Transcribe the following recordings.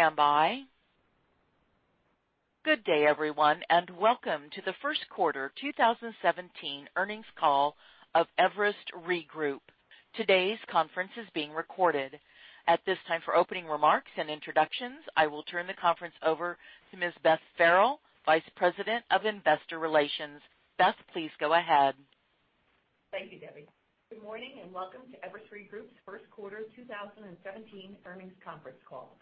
Please stand by. Good day everyone, welcome to the first quarter 2017 earnings call of Everest Re Group. Today's conference is being recorded. At this time, for opening remarks and introductions, I will turn the conference over to Ms. Beth Farrell, Vice President of Investor Relations. Beth, please go ahead. Thank you, Debbie. Good morning, welcome to Everest Re Group's first quarter 2017 earnings conference call.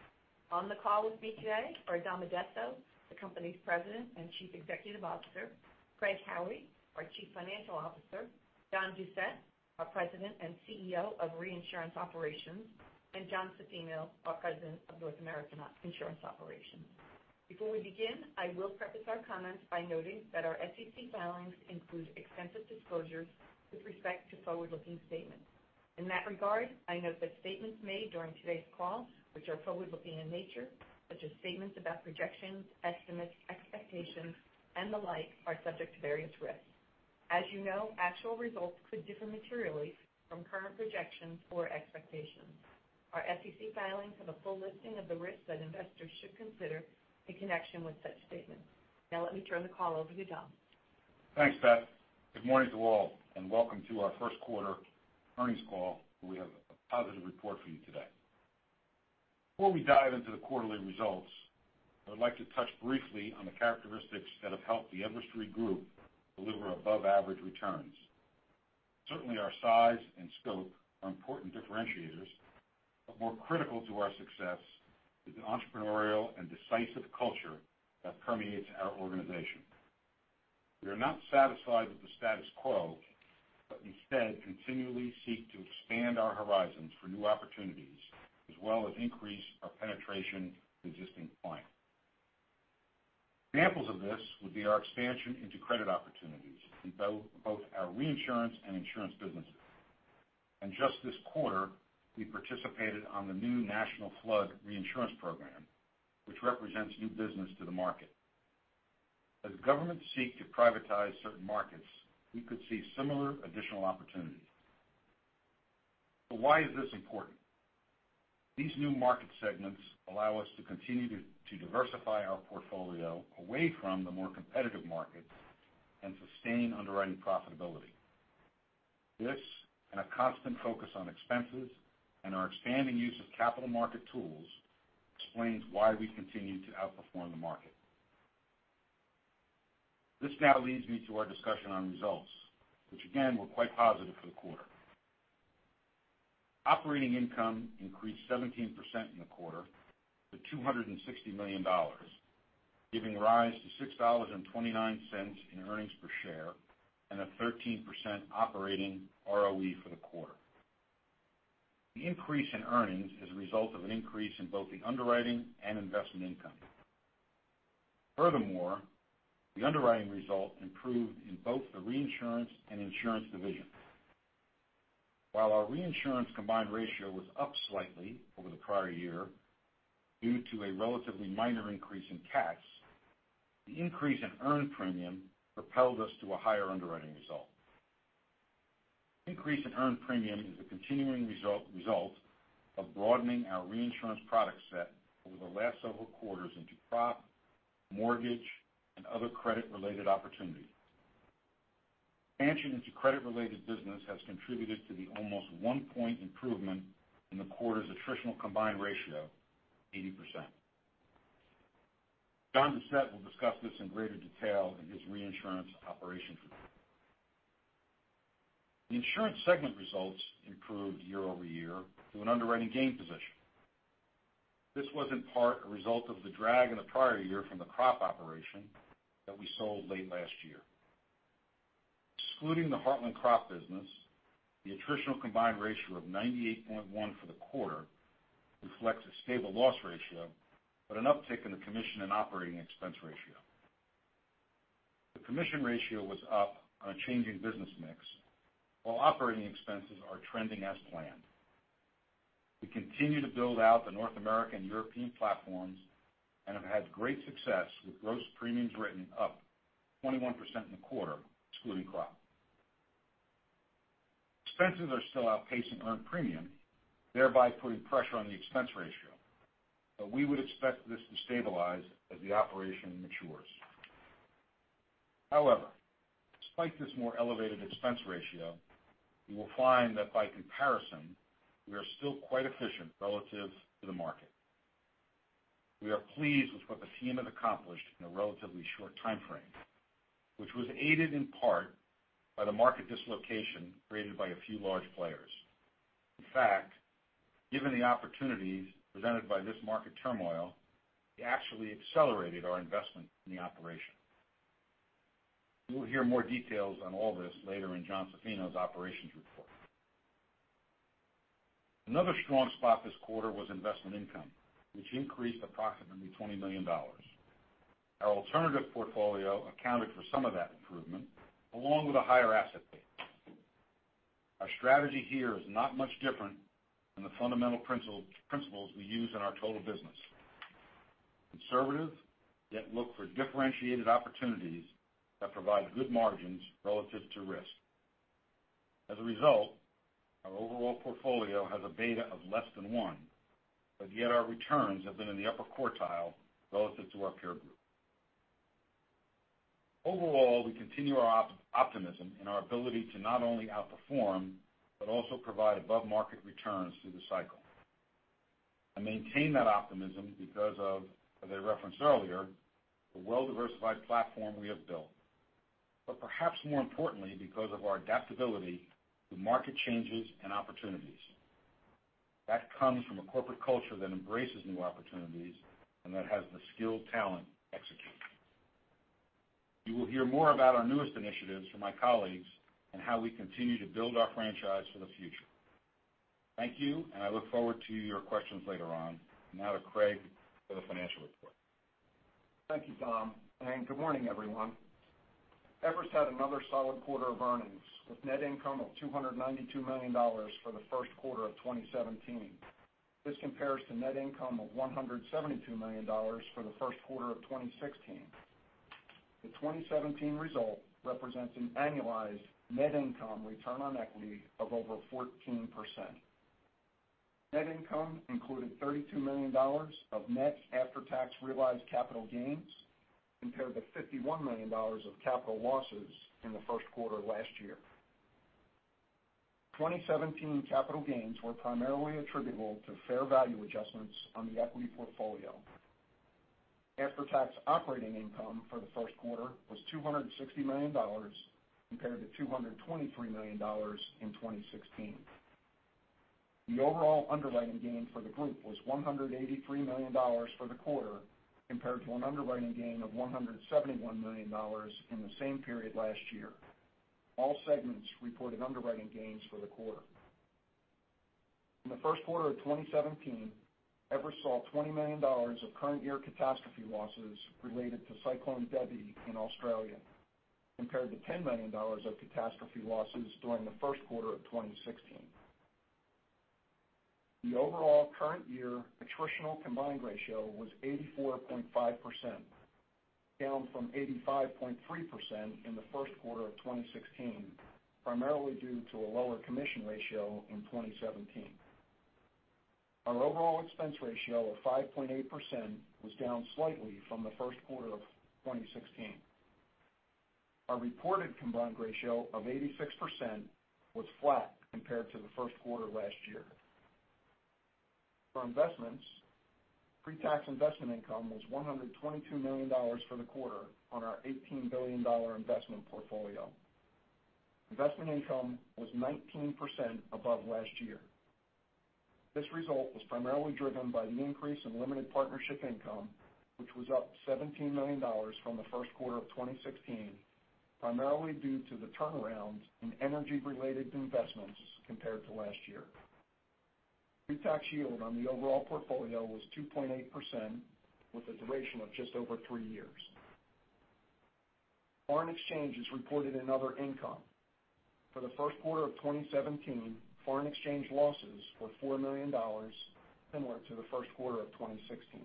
On the call with me today are Dom Addesso, the company's President and Chief Executive Officer, Craig Howie, our Chief Financial Officer, John Doucette, our President and CEO of Reinsurance Operations, and John Zaffino, our President of North American Insurance Operations. We begin, I will preface our comments by noting that our SEC filings include extensive disclosures with respect to forward-looking statements. That regard, I note that statements made during today's call, which are forward-looking in nature, such as statements about projections, estimates, expectations, and the like, are subject to various risks. You know, actual results could differ materially from current projections or expectations. Our SEC filings have a full listing of the risks that investors should consider in connection with such statements. Let me turn the call over to Dom. Thanks, Beth. Good morning to all, welcome to our first quarter earnings call. We have a positive report for you today. Before we dive into the quarterly results, I would like to touch briefly on the characteristics that have helped the Everest Re Group deliver above average returns. Certainly, our size and scope are important differentiators, more critical to our success is the entrepreneurial and decisive culture that permeates our organization. We are not satisfied with the status quo, instead continually seek to expand our horizons for new opportunities, as well as increase our penetration with existing clients. Examples of this would be our expansion into credit opportunities in both our reinsurance and insurance businesses. Just this quarter, we participated on the new National Flood Reinsurance Program, which represents new business to the market. As governments seek to privatize certain markets, we could see similar additional opportunities. Why is this important? These new market segments allow us to continue to diversify our portfolio away from the more competitive markets and sustain underwriting profitability. This, and a constant focus on expenses and our expanding use of capital market tools explains why we continue to outperform the market. This now leads me to our discussion on results, which again, were quite positive for the quarter. Operating income increased 17% in the quarter to $260 million, giving rise to $6.29 in earnings per share and a 13% operating ROE for the quarter. The increase in earnings is a result of an increase in both the underwriting and investment income. Furthermore, the underwriting result improved in both the Reinsurance and Insurance Division. While our reinsurance combined ratio was up slightly over the prior year due to a relatively minor increase in cats, the increase in earned premium propelled us to a higher underwriting result. Increase in earned premium is a continuing result of broadening our reinsurance product set over the last several quarters into crop, mortgage, and other credit-related opportunities. Expansion into credit-related business has contributed to the almost one point improvement in the quarter's attritional combined ratio of 80%. John Doucette will discuss this in greater detail in his Reinsurance Operations Report. The insurance segment results improved year-over-year through an underwriting gain position. This was in part a result of the drag in the prior year from the crop operation that we sold late last year. Excluding the Heartland Crop business, the attritional combined ratio of 98.1 for the quarter reflects a stable loss ratio, but an uptick in the commission and operating expense ratio. The commission ratio was up on a changing business mix, while operating expenses are trending as planned. We continue to build out the North American European platforms and have had great success with gross premiums written up 21% in the quarter, excluding crop. Expenses are still outpacing earned premium, thereby putting pressure on the expense ratio. We would expect this to stabilize as the operation matures. However, despite this more elevated expense ratio, you will find that by comparison, we are still quite efficient relative to the market. We are pleased with what the team has accomplished in a relatively short timeframe, which was aided in part by the market dislocation created by a few large players. In fact, given the opportunities presented by this market turmoil, we actually accelerated our investment in the operation. You will hear more details on all this later in Jon Zaffino's Operations Report. Another strong spot this quarter was investment income, which increased approximately $20 million. Our alternative portfolio accounted for some of that improvement, along with a higher asset base. Our strategy here is not much different than the fundamental principles we use in our total business. Conservative, yet look for differentiated opportunities that provide good margins relative to risk. As a result, our overall portfolio has a beta of less than 1, yet our returns have been in the upper quartile relative to our peer group. Overall, we continue our optimism in our ability to not only outperform, but also provide above-market returns through the cycle. I maintain that optimism because of, as I referenced earlier, the well-diversified platform we have built, perhaps more importantly, because of our adaptability to market changes and opportunities. That comes from a corporate culture that embraces new opportunities and that has the skilled talent to execute. You will hear more about our newest initiatives from my colleagues and how we continue to build our franchise for the future. Thank you. I look forward to your questions later on. Now to Craig for the financial report. Thank you, Dom. Good morning, everyone. Everest had another solid quarter of earnings, with net income of $292 million for the first quarter of 2017. This compares to net income of $172 million for the first quarter of 2016. The 2017 result represents an annualized net income return on equity of over 14%. Net income included $32 million of net after-tax realized capital gains, compared to $51 million of capital losses in the first quarter of last year. 2017 capital gains were primarily attributable to fair value adjustments on the equity portfolio. After-tax operating income for the first quarter was $260 million compared to $223 million in 2016. The overall underwriting gain for the group was $183 million for the quarter, compared to an underwriting gain of $171 million in the same period last year. All segments reported underwriting gains for the quarter. In the first quarter of 2017, Everest saw $20 million of current year catastrophe losses related to Cyclone Debbie in Australia, compared to $10 million of catastrophe losses during the first quarter of 2016. The overall current year attritional combined ratio was 84.5%, down from 85.3% in the first quarter of 2016, primarily due to a lower commission ratio in 2017. Our overall expense ratio of 5.8% was down slightly from the first quarter of 2016. Our reported combined ratio of 86% was flat compared to the first quarter last year. For investments, pre-tax investment income was $122 million for the quarter on our $18 billion investment portfolio. Investment income was 19% above last year. This result was primarily driven by an increase in limited partnership income, which was up $17 million from the first quarter of 2016, primarily due to the turnaround in energy-related investments compared to last year. Pre-tax yield on the overall portfolio was 2.8% with a duration of just over three years. Foreign exchanges reported in other income. For the first quarter of 2017, foreign exchange losses were $4 million, similar to the first quarter of 2016.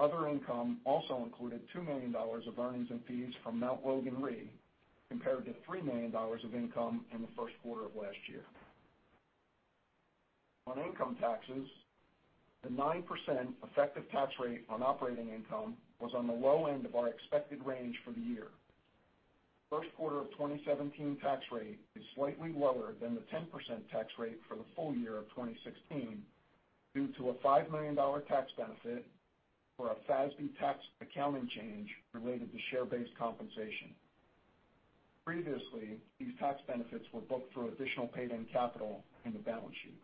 Other income also included $2 million of earnings and fees from Mt. Logan Re, compared to $3 million of income in the first quarter of last year. On income taxes, the 9% effective tax rate on operating income was on the low end of our expected range for the year. First quarter of 2017 tax rate is slightly lower than the 10% tax rate for the full year of 2016 due to a $5 million tax benefit for a FASB tax accounting change related to share-based compensation. Previously, these tax benefits were booked through additional paid-in capital in the balance sheet.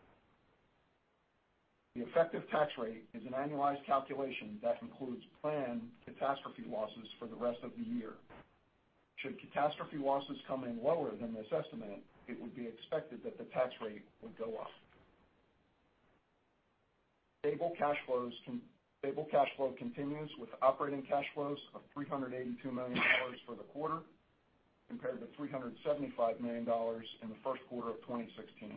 The effective tax rate is an annualized calculation that includes planned catastrophe losses for the rest of the year. Should catastrophe losses come in lower than this estimate, it would be expected that the tax rate would go up. Stable cash flow continues with operating cash flows of $382 million for the quarter, compared to $375 million in the first quarter of 2016.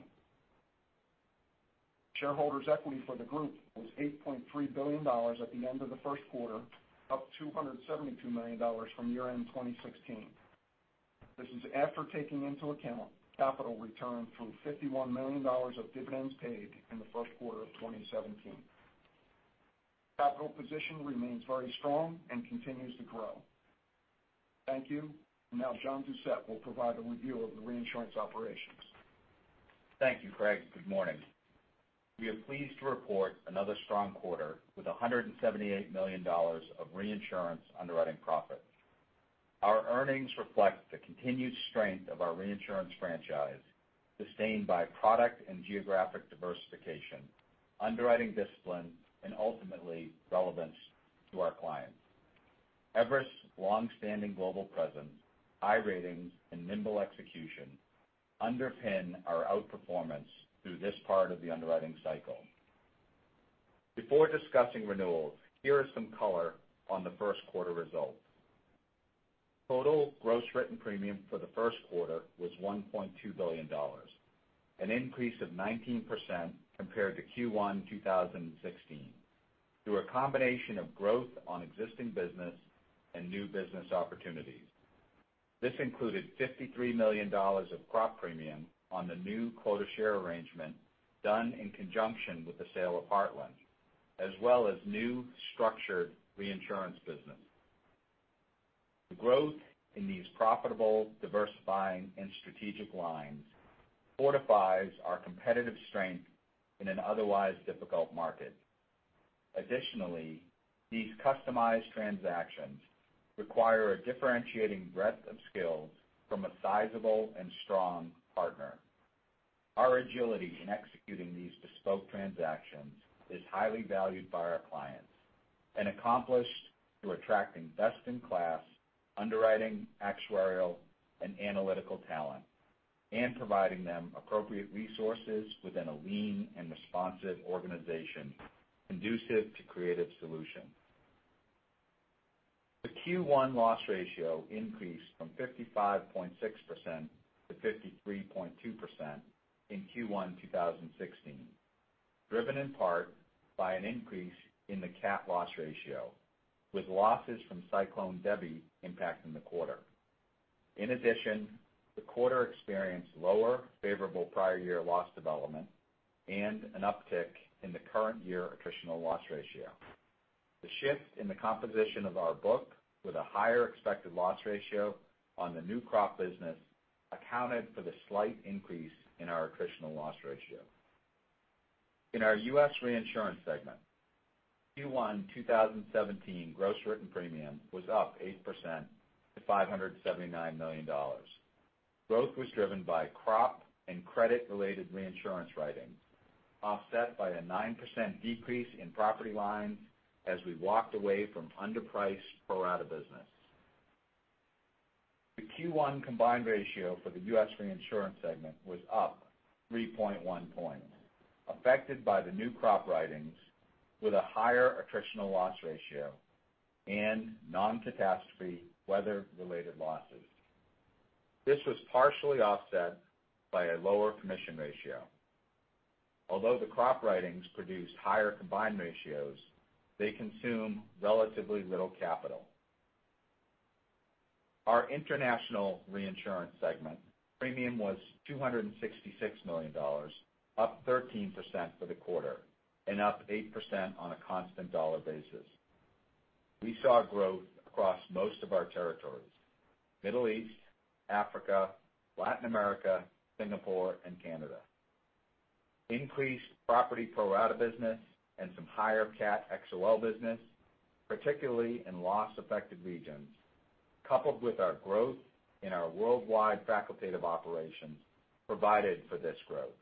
Shareholders' equity for the group was $8.3 billion at the end of the first quarter, up $272 million from year-end 2016. This is after taking into account capital returned through $51 million of dividends paid in the first quarter of 2017. Capital position remains very strong and continues to grow. Thank you. Now John Doucette will provide a review of the reinsurance operations. Thank you, Craig. Good morning. We are pleased to report another strong quarter with $178 million of reinsurance underwriting profit. Our earnings reflect the continued strength of our reinsurance franchise, sustained by product and geographic diversification, underwriting discipline, and ultimately relevance to our clients. Everest's longstanding global presence, high ratings, and nimble execution underpin our outperformance through this part of the underwriting cycle. Before discussing renewals, here are some color on the first quarter results. Total gross written premium for the first quarter was $1.2 billion, an increase of 19% compared to Q1 2016 through a combination of growth on existing business and new business opportunities. This included $53 million of crop premium on the new quota share arrangement done in conjunction with the sale of Heartland, as well as new structured reinsurance business. The growth in these profitable, diversifying and strategic lines fortifies our competitive strength in an otherwise difficult market. Additionally, these customized transactions require a differentiating breadth of skills from a sizable and strong partner. Our agility in executing these bespoke transactions is highly valued by our clients and accomplished through attracting best-in-class underwriting, actuarial, and analytical talent, and providing them appropriate resources within a lean and responsive organization conducive to creative solutions. The Q1 loss ratio increased from 53.2% Q1 2016 to 55.6% in Q1 2017, driven in part by an increase in the cat loss ratio, with losses from Cyclone Debbie impacting the quarter. The quarter experienced lower favorable prior year loss development and an uptick in the current year attritional loss ratio. The shift in the composition of our book with a higher expected loss ratio on the new crop business accounted for the slight increase in our attritional loss ratio. In our U.S. reinsurance segment, Q1 2017 gross written premium was up 8% to $579 million. Growth was driven by crop and credit related reinsurance writing, offset by a 9% decrease in property lines as we walked away from underpriced pro-rata business. The Q1 combined ratio for the U.S. reinsurance segment was up 3.1 point, affected by the new crop writings with a higher attritional loss ratio and non-catastrophe weather related losses. This was partially offset by a lower commission ratio. Although the crop writings produced higher combined ratios, they consume relatively little capital. Our international reinsurance segment premium was $266 million, up 13% for the quarter and up 8% on a constant dollar basis. We saw growth across most of our territories: Middle East, Africa, Latin America, Singapore and Canada. Increased property pro-rata business and some higher cat XOL business, particularly in loss-affected regions, coupled with our growth in our worldwide facultative operations provided for this growth.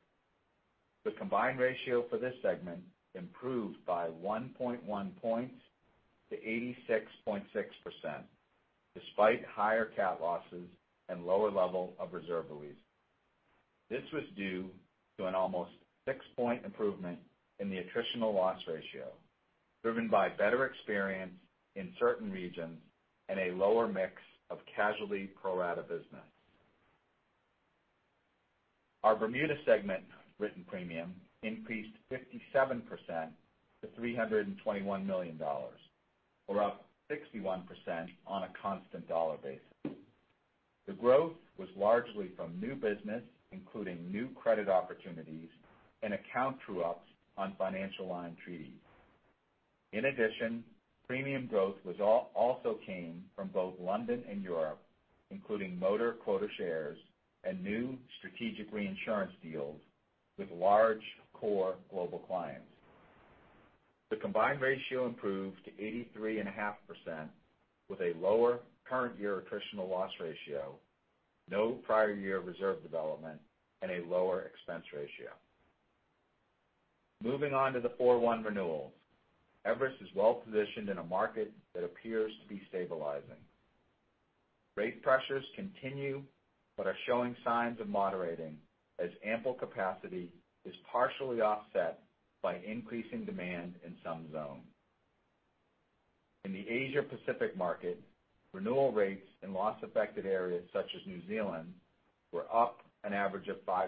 The combined ratio for this segment improved by 1.1 point to 86.6%, despite higher cat losses and lower level of reserve release. This was due to an almost six-point improvement in the attritional loss ratio driven by better experience in certain regions and a lower mix of casualty pro-rata business. Our Bermuda segment written premium increased 57% to $321 million, or up 61% on a constant dollar basis. The growth was largely from new business, including new credit opportunities and account true-ups on financial line treaties. Premium growth also came from both London and Europe, including motor quota shares and new strategic reinsurance deals with large core global clients. The combined ratio improved to 83.5% with a lower current year attritional loss ratio, no prior year reserve development, and a lower expense ratio. Moving on to the 41 renewals. Everest is well positioned in a market that appears to be stabilizing. Rate pressures continue but are showing signs of moderating as ample capacity is partially offset by increasing demand in some zones. In the Asia-Pacific market, renewal rates in loss affected areas such as New Zealand were up an average of 5%,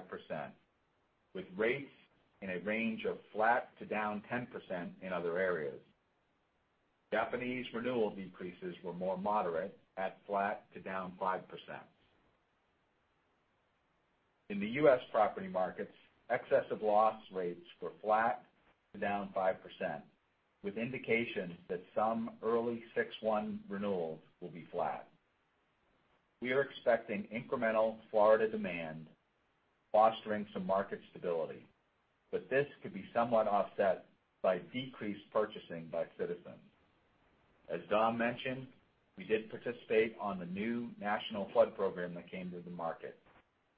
with rates in a range of flat to down 10% in other areas. Japanese renewal decreases were more moderate at flat to down 5%. In the U.S. property markets, excessive loss rates were flat to down 5%, with indications that some early 61 renewals will be flat. We are expecting incremental Florida demand, fostering some market stability, but this could be somewhat offset by decreased purchasing by Citizens. As Dom mentioned, we did participate on the new national flood program that came to the market,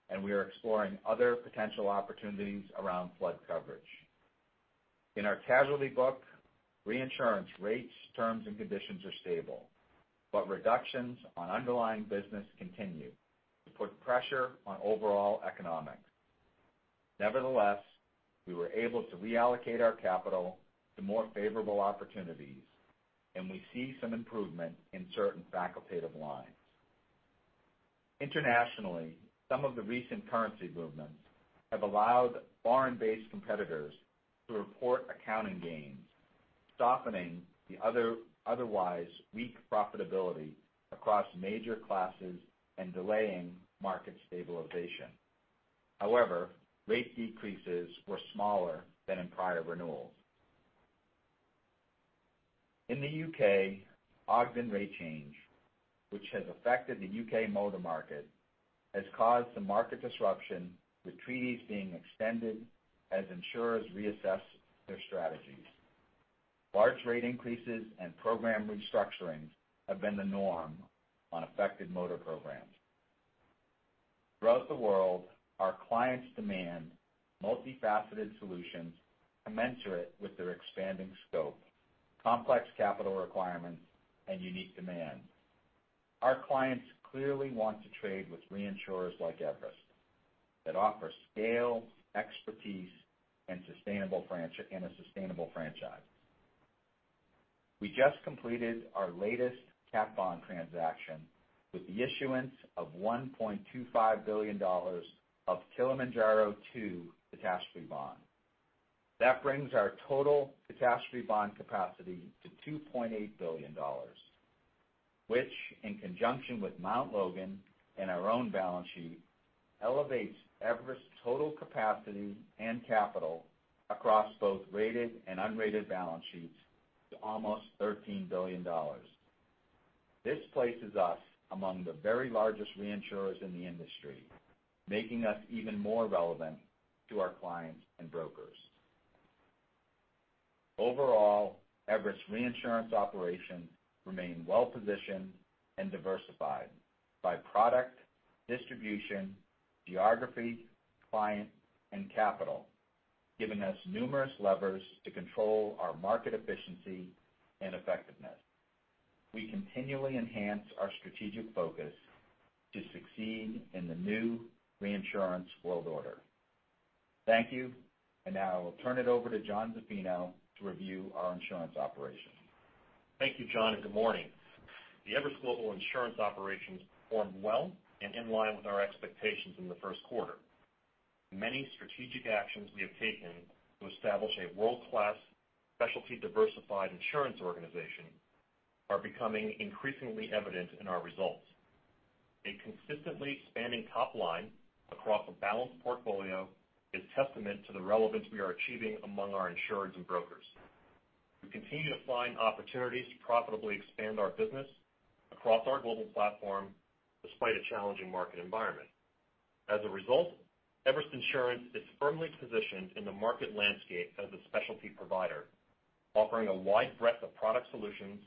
and we are exploring other potential opportunities around flood coverage. In our casualty book, reinsurance rates, terms and conditions are stable, but reductions on underlying business continue to put pressure on overall economics. Nevertheless, we were able to reallocate our capital to more favorable opportunities and we see some improvement in certain facultative lines. Internationally, some of the recent currency movements have allowed foreign-based competitors to report accounting gains, softening the otherwise weak profitability across major classes and delaying market stabilization. Rate decreases were smaller than in prior renewals. In the U.K., Ogden rate change, which has affected the U.K. motor market, has caused some market disruption, with treaties being extended as insurers reassess their strategies. Large rate increases and program restructurings have been the norm on affected motor programs. Throughout the world, our clients demand multifaceted solutions commensurate with their expanding scope, complex capital requirements, and unique demands. Our clients clearly want to trade with reinsurers like Everest that offer scale, expertise, and a sustainable franchise. We just completed our latest cat bond transaction with the issuance of $1.25 billion of Kilimanjaro II catastrophe bond. That brings our total catastrophe bond capacity to $2.8 billion, which, in conjunction with Mount Logan and our own balance sheet, elevates Everest's total capacity and capital across both rated and unrated balance sheets to almost $13 billion. This places us among the very largest reinsurers in the industry, making us even more relevant to our clients and brokers. Overall, Everest Reinsurance operations remain well-positioned and diversified by product, distribution, geography, client, and capital, giving us numerous levers to control our market efficiency and effectiveness. We continually enhance our strategic focus to succeed in the new reinsurance world order. Thank you, and now I will turn it over to John Zaffino to review our insurance operations. Thank you, John, and good morning. The Everest global Insurance operations performed well and in line with our expectations in the first quarter. Many strategic actions we have taken to establish a world-class specialty diversified insurance organization are becoming increasingly evident in our results. A consistently expanding top line across a balanced portfolio is testament to the relevance we are achieving among our insurers and brokers. We continue to find opportunities to profitably expand our business across our global platform despite a challenging market environment. As a result, Everest Insurance is firmly positioned in the market landscape as a specialty provider, offering a wide breadth of product solutions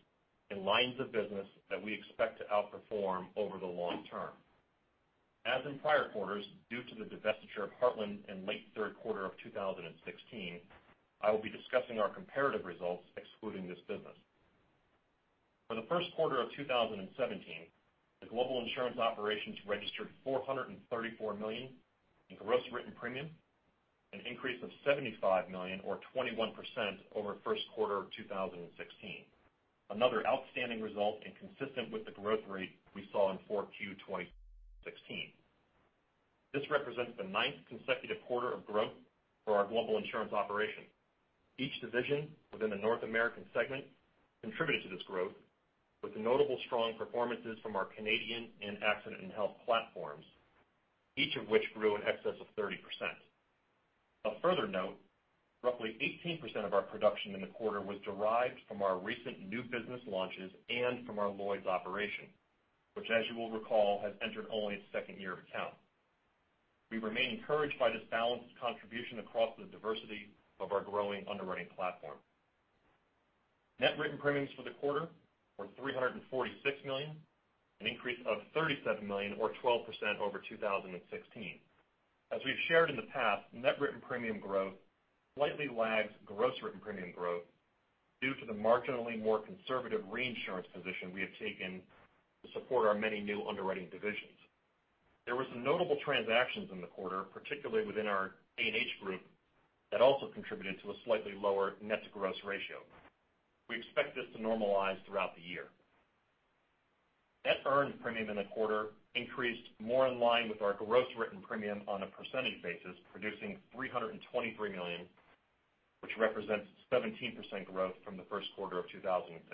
in lines of business that we expect to outperform over the long term. As in prior quarters, due to the divestiture of Heartland in late third quarter of 2016, I will be discussing our comparative results excluding this business. For the first quarter of 2017, the global insurance operations registered $434 million in gross written premium, an increase of $75 million or 21% over first quarter of 2016, another outstanding result and consistent with the growth rate we saw in 4Q 2016. This represents the ninth consecutive quarter of growth for our global insurance operation. Each division within the North American segment contributed to this growth with notable strong performances from our Canadian and A&H platforms, each of which grew in excess of 30%. Of further note, roughly 18% of our production in the quarter was derived from our recent new business launches and from our Lloyd's operation, which, as you will recall, has entered only its second year of account. We remain encouraged by this balanced contribution across the diversity of our growing underwriting platform. Net written premiums for the quarter were $346 million, an increase of $37 million or 12% over 2016. As we've shared in the past, net written premium growth slightly lags gross written premium growth due to the marginally more conservative reinsurance position we have taken to support our many new underwriting divisions. There were some notable transactions in the quarter, particularly within our A&H group, that also contributed to a slightly lower net-to-gross ratio. We expect this to normalize throughout the year. Net earned premium in the quarter increased more in line with our gross written premium on a percentage basis, producing $323 million, which represents 17% growth from the first quarter of 2016.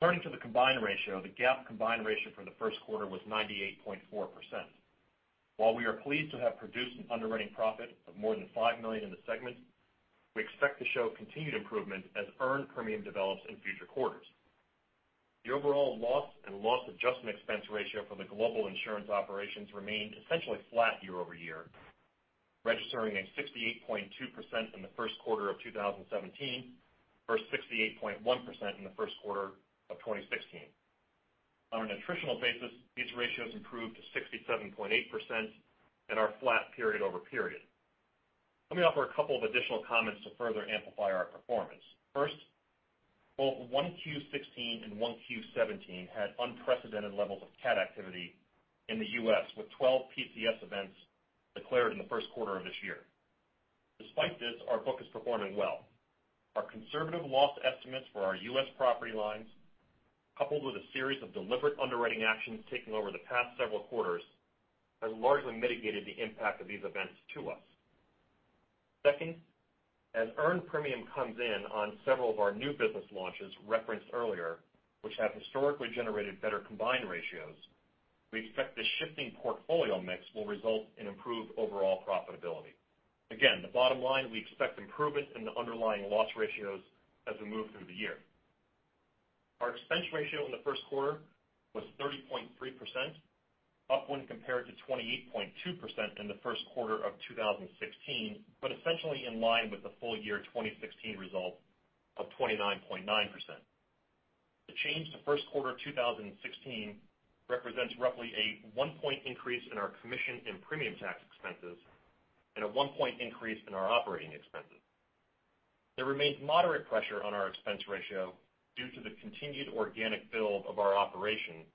Turning to the combined ratio, the GAAP combined ratio for the first quarter was 98.4%. While we are pleased to have produced an underwriting profit of more than $5 million in the segment, we expect to show continued improvement as earned premium develops in future quarters. The overall loss and loss adjustment expense ratio for the global insurance operations remained essentially flat year-over-year, registering at 68.2% in the first quarter of 2017 for 68.1% in the first quarter of 2016. On an attritional basis, these ratios improved to 67.8% and are flat period-over-period. Let me offer a couple of additional comments to further amplify our performance. First, both 1Q16 and 1Q17 had unprecedented levels of cat activity in the U.S., with 12 PCS events declared in the first quarter of this year. Despite this, our book is performing well. Our conservative loss estimates for our U.S. property lines, coupled with a series of deliberate underwriting actions taken over the past several quarters, has largely mitigated the impact of these events to us. Second, as earned premium comes in on several of our new business launches referenced earlier, which have historically generated better combined ratios, we expect the shifting portfolio mix will result in improved overall profitability. Again, the bottom line, we expect improvement in the underlying loss ratios as we move through the year. Our expense ratio in the first quarter was 30.3%, up when compared to 28.2% in the first quarter of 2016, but essentially in line with the full year 2016 result of 29.9%. The change to first quarter 2016 represents roughly a one point increase in our commission in premium tax expenses and a one point increase in our operating expenses. There remains moderate pressure on our expense ratio due to the continued organic build of our operation,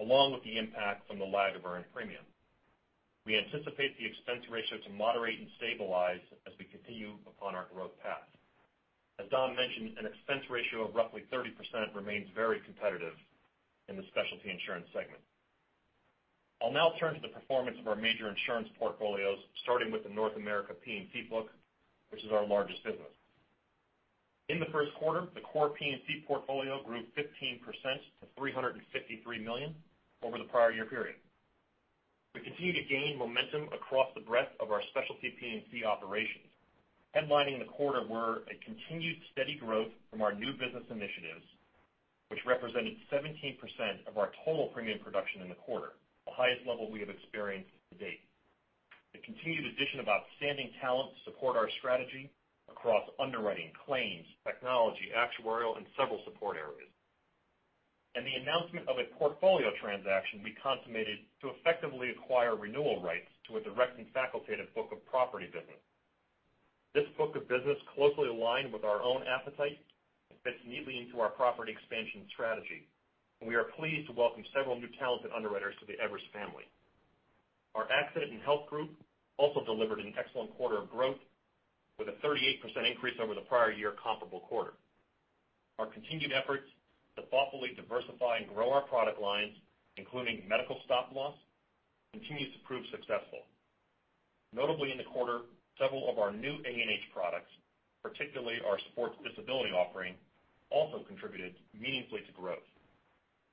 along with the impact from the lag of earned premium. We anticipate the expense ratio to moderate and stabilize as we continue upon our growth path. As Dom mentioned, an expense ratio of roughly 30% remains very competitive in the specialty insurance segment. I'll now turn to the performance of our major insurance portfolios, starting with the North America P&C book, which is our largest business. In the first quarter, the core P&C portfolio grew 15% to $353 million over the prior-year period. We continue to gain momentum across the breadth of our specialty P&C operations. Headlining the quarter were a continued steady growth from our new business initiatives, which represented 17% of our total premium production in the quarter, the highest level we have experienced to date. The continued addition of outstanding talent to support our strategy across underwriting, claims, technology, actuarial, and several support areas. The announcement of a portfolio transaction we consummated to effectively acquire renewal rights to a direct and facultative book of property business. This book of business closely aligned with our own appetite and fits neatly into our property expansion strategy, and we are pleased to welcome several new talented underwriters to the Everest family. Our Accident and Health group also delivered an excellent quarter of growth with a 38% increase over the prior-year comparable quarter. Our continued efforts to thoughtfully diversify and grow our product lines, including medical stop loss, continues to prove successful. Notably in the quarter, several of our new A&H products, particularly our sports disability offering, also contributed meaningfully to growth.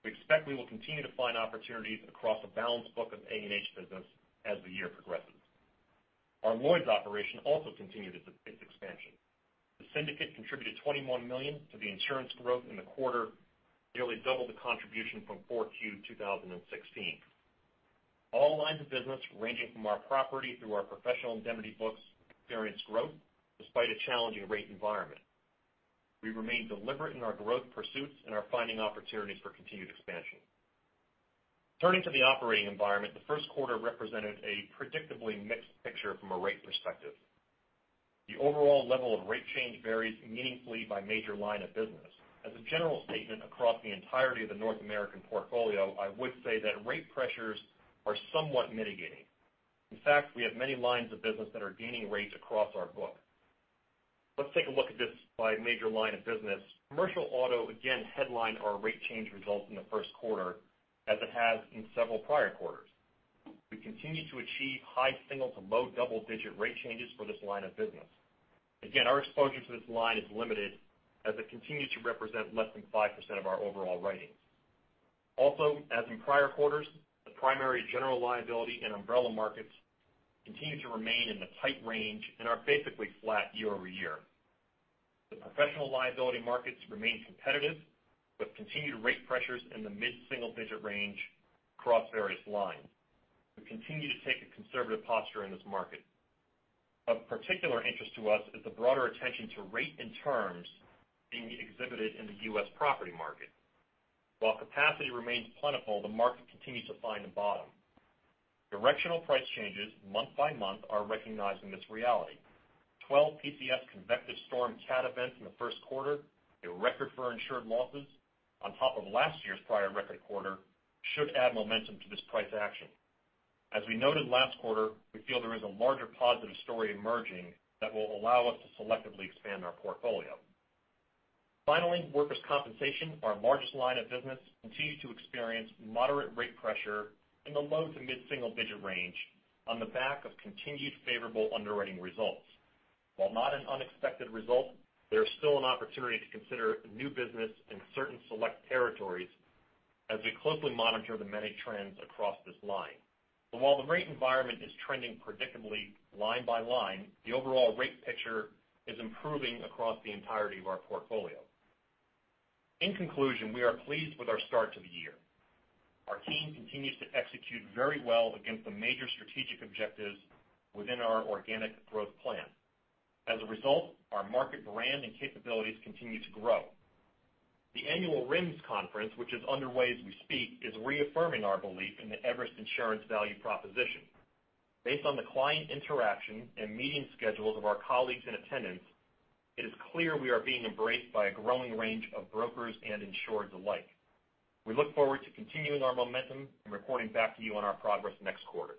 We expect we will continue to find opportunities across a balanced book of A&H business as the year progresses. Our Lloyd's operation also continued its expansion. The syndicate contributed $21 million to the insurance growth in the quarter, nearly double the contribution from 4Q2016. All lines of business, ranging from our property through our professional indemnity books, experienced growth despite a challenging rate environment. We remain deliberate in our growth pursuits and are finding opportunities for continued expansion. Turning to the operating environment, the first quarter represented a predictably mixed picture from a rate perspective. The overall level of rate change varies meaningfully by major line of business. As a general statement across the entirety of the North American portfolio, I would say that rate pressures are somewhat mitigating. We have many lines of business that are gaining rates across our book. Let's take a look at this by major line of business. Commercial auto, again, headlined our rate change results in the first quarter as it has in several prior quarters. We continue to achieve high single to low double-digit rate changes for this line of business. Again, our exposure to this line is limited as it continues to represent less than 5% of our overall writings. Also, as in prior quarters, the primary general liability and umbrella markets continue to remain in the tight range and are basically flat year-over-year. The professional liability markets remain competitive with continued rate pressures in the mid-single digit range across various lines. We continue to take a conservative posture in this market. Of particular interest to us is the broader attention to rate and terms being exhibited in the U.S. property market. While capacity remains plentiful, the market continues to find a bottom. Directional price changes month-by-month are recognizing this reality. 12 PCS convective storm cat events in the first quarter, a record for insured losses, on top of last year's prior record quarter, should add momentum to this price action. As we noted last quarter, we feel there is a larger positive story emerging that will allow us to selectively expand our portfolio. Finally, workers' compensation, our largest line of business, continues to experience moderate rate pressure in the low to mid-single digit range on the back of continued favorable underwriting results. While not an unexpected result, there is still an opportunity to consider new business in certain select territories as we closely monitor the many trends across this line. While the rate environment is trending predictably line-by-line, the overall rate picture is improving across the entirety of our portfolio. In conclusion, we are pleased with our start to the year. Our team continues to execute very well against the major strategic objectives within our organic growth plan. As a result, our market brand and capabilities continue to grow. The annual RIMS conference, which is underway as we speak, is reaffirming our belief in the Everest Insurance value proposition. Based on the client interaction and meeting schedules of our colleagues in attendance. It is clear we are being embraced by a growing range of brokers and insureds alike. We look forward to continuing our momentum and reporting back to you on our progress next quarter.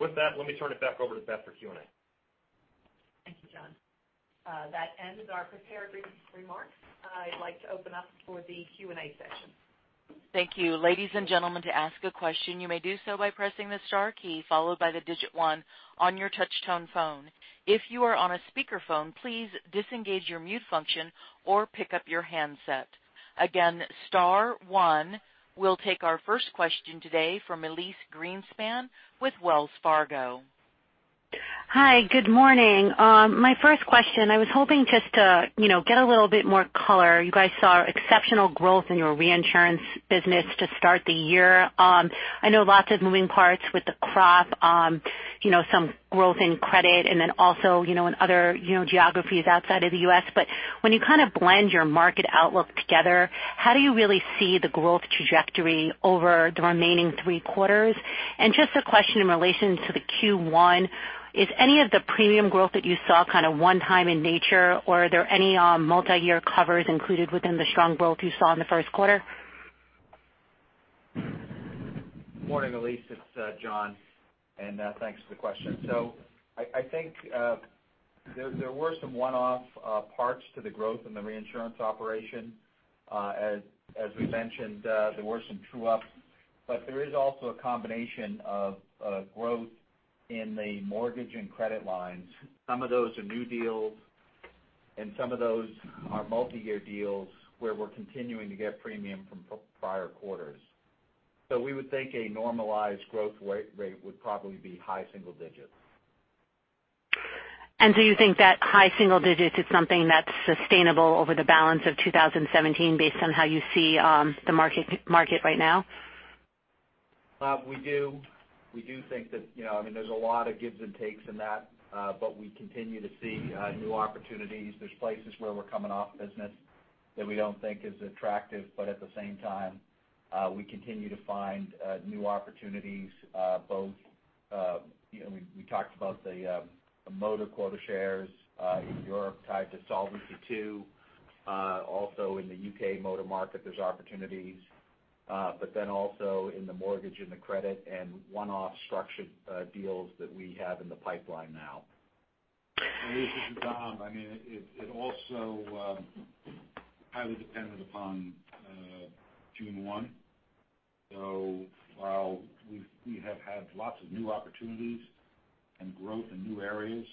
With that, let me turn it back over to Beth for Q&A. Thank you, John. That ends our prepared remarks. I'd like to open up for the Q&A session. Thank you. Ladies and gentlemen, to ask a question, you may do so by pressing the star key, followed by the digit one on your touch-tone phone. If you are on a speakerphone, please disengage your mute function or pick up your handset. Again, star one. We'll take our first question today from Elyse Greenspan with Wells Fargo. Hi. Good morning. My first question, I was hoping just to get a little bit more color. You guys saw exceptional growth in your reinsurance business to start the year. I know lots of moving parts with the crop, some growth in credit, and also in other geographies outside of the U.S. When you kind of blend your market outlook together, how do you really see the growth trajectory over the remaining three quarters? Just a question in relation to the Q1, is any of the premium growth that you saw one-time in nature, or are there any multi-year covers included within the strong growth you saw in the first quarter? Morning, Elyse, it's John, thanks for the question. I think there were some one-off parts to the growth in the reinsurance operation. As we mentioned, there were some true-ups. There is also a combination of growth in the mortgage and credit lines. Some of those are new deals, and some of those are multi-year deals where we're continuing to get premium from prior quarters. We would think a normalized growth rate would probably be high single digits. Do you think that high single digits is something that's sustainable over the balance of 2017 based on how you see the market right now? We do. There's a lot of gives and takes in that. We continue to see new opportunities. There's places where we're coming off business that we don't think is attractive, but at the same time, we continue to find new opportunities, both, we talked about the motor quota shares in Europe tied to Solvency II. Also in the U.K. motor market, there's opportunities. Also in the mortgage and the credit and one-off structured deals that we have in the pipeline now. Elyse, this is Tom. It also highly depended upon June 1. While we have had lots of new opportunities and growth in new areas,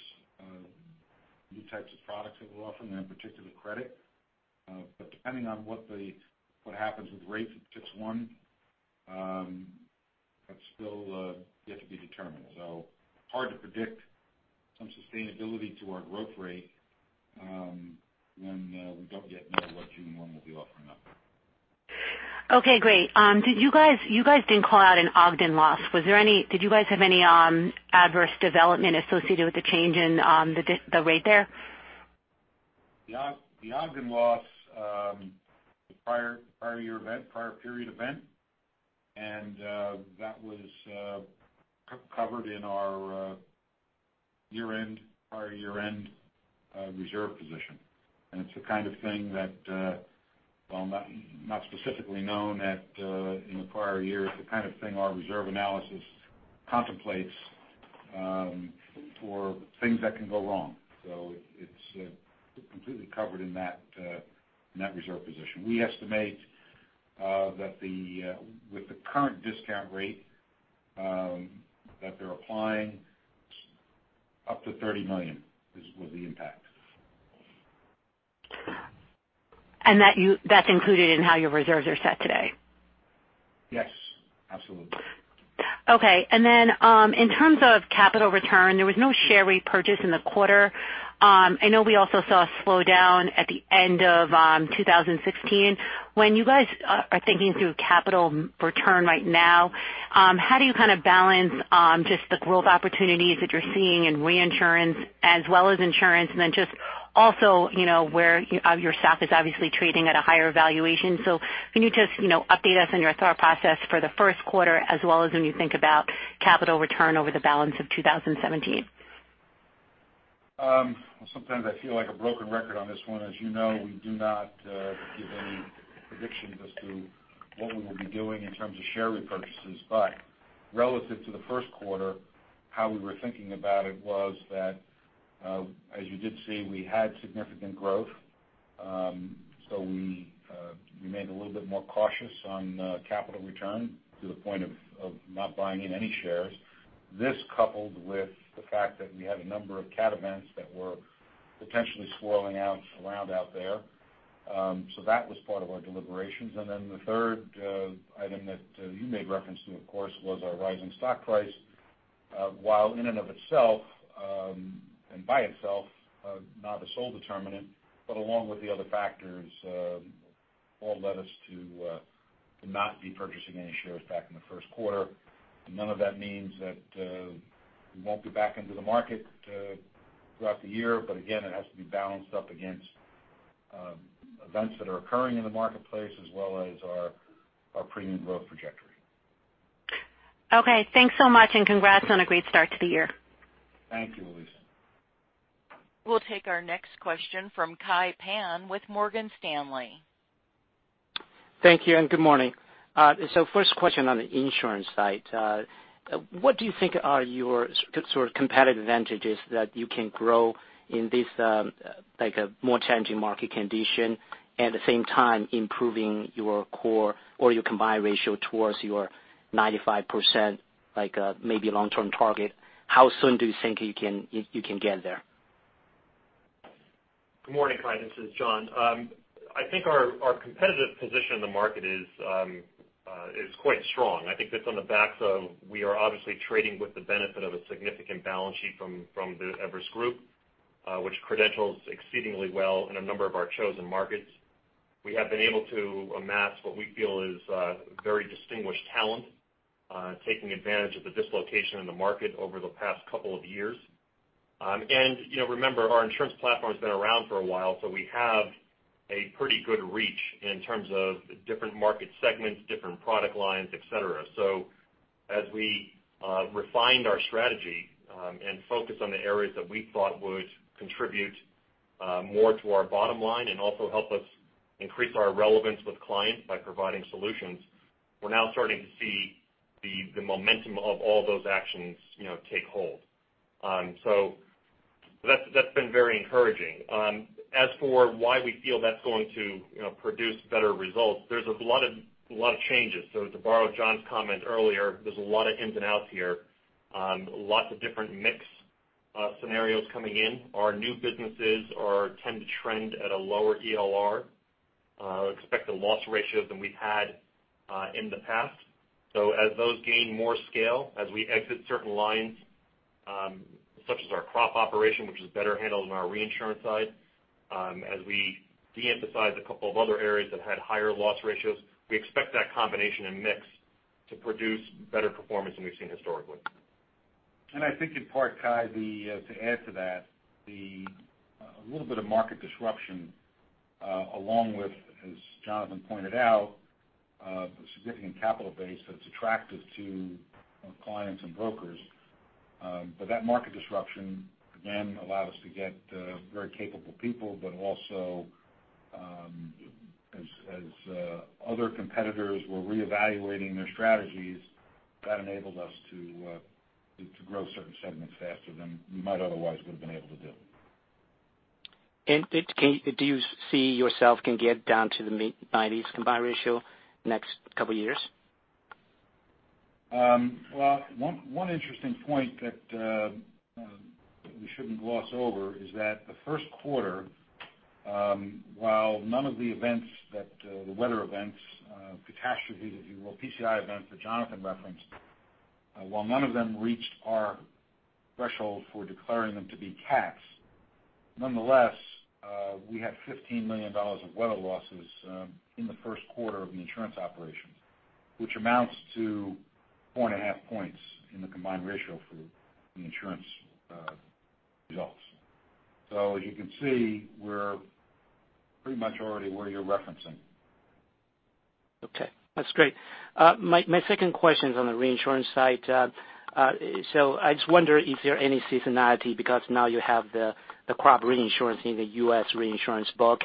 new types of products that we're offering, and particularly credit, but depending on what happens with rates at June 1, that's still yet to be determined. Hard to predict some sustainability to our growth rate when we don't yet know what June 1 will be offering up. Okay, great. You guys didn't call out an Ogden loss. Did you guys have any adverse development associated with the change in the rate there? The Ogden loss, the prior year event, prior period event, that was covered in our prior year-end reserve position. It's the kind of thing that, while not specifically known at in the prior year, it's the kind of thing our reserve analysis contemplates for things that can go wrong. It's completely covered in that reserve position. We estimate that with the current discount rate that they're applying, up to $30 million was the impact. That's included in how your reserves are set today? Yes, absolutely. Okay. In terms of capital return, there was no share repurchase in the quarter. I know we also saw a slowdown at the end of 2016. When you guys are thinking through capital return right now, how do you kind of balance just the growth opportunities that you're seeing in reinsurance as well as insurance, and then just also where your stock is obviously trading at a higher valuation. Can you just update us on your thought process for the first quarter as well as when you think about capital return over the balance of 2017? Sometimes I feel like a broken record on this one. As you know, we do not give any prediction as to what we will be doing in terms of share repurchases. Relative to the first quarter, how we were thinking about it was that, as you did see, we had significant growth. We remained a little bit more cautious on capital return to the point of not buying in any shares. This coupled with the fact that we had a number of cat events that were potentially swirling around out there. That was part of our deliberations. The third item that you made reference to, of course, was our rising stock price. While in and of itself, and by itself, not the sole determinant, but along with the other factors, all led us to not be purchasing any shares back in the first quarter. None of that means that we won't be back into the market throughout the year. Again, it has to be balanced up against events that are occurring in the marketplace as well as our premium growth trajectory. Okay, thanks so much and congrats on a great start to the year. Thank you, Elyse. We'll take our next question from Kai Pan with Morgan Stanley. Thank you, and good morning. First question on the insurance side. What do you think are your sort of competitive advantages that you can grow in this more challenging market condition, at the same time improving your core or your combined ratio towards your 95%, maybe long-term target? How soon do you think you can get there? Good morning, Kai. This is John. I think our competitive position in the market is quite strong. I think that's on the backs of, we are obviously trading with the benefit of a significant balance sheet from the Everest Group, which credentials exceedingly well in a number of our chosen markets. We have been able to amass what we feel is very distinguished talent, taking advantage of the dislocation in the market over the past couple of years. Remember, our insurance platform's been around for a while, so we have a pretty good reach in terms of different market segments, different product lines, et cetera. As we refined our strategy and focus on the areas that we thought would contribute more to our bottom line and also help us increase our relevance with clients by providing solutions, we're now starting to see the momentum of all those actions take hold. That's been very encouraging. As for why we feel that's going to produce better results, there's a lot of changes. To borrow John's comment earlier, there's a lot of ins and outs here. Lots of different mix scenarios coming in. Our new businesses tend to trend at a lower ELR, expected loss ratio than we've had in the past. As those gain more scale, as we exit certain lines, such as our crop operation, which is better handled on our reinsurance side, as we de-emphasize a couple of other areas that had higher loss ratios, we expect that combination and mix to produce better performance than we've seen historically. I think in part, Kai, to add to that, a little bit of market disruption along with, as Jonathan pointed out, the significant capital base that's attractive to our clients and brokers. That market disruption, again, allowed us to get very capable people, but also as other competitors were reevaluating their strategies, that enabled us to grow certain segments faster than we might otherwise would've been able to do. Do you see yourself can get down to the mid 90s combined ratio next couple of years? One interesting point that we shouldn't gloss over is that the first quarter, while none of the weather events, catastrophe, if you will, PCS events that Jonathan referenced, while none of them reached our threshold for declaring them to be cats, nonetheless, we had $15 million of weather losses in the first quarter of the insurance operations, which amounts to four and a half points in the combined ratio for the insurance results. As you can see, we're pretty much already where you're referencing. Okay, that's great. My second question's on the reinsurance side. I just wonder, is there any seasonality because now you have the crop reinsurance in the U.S. reinsurance book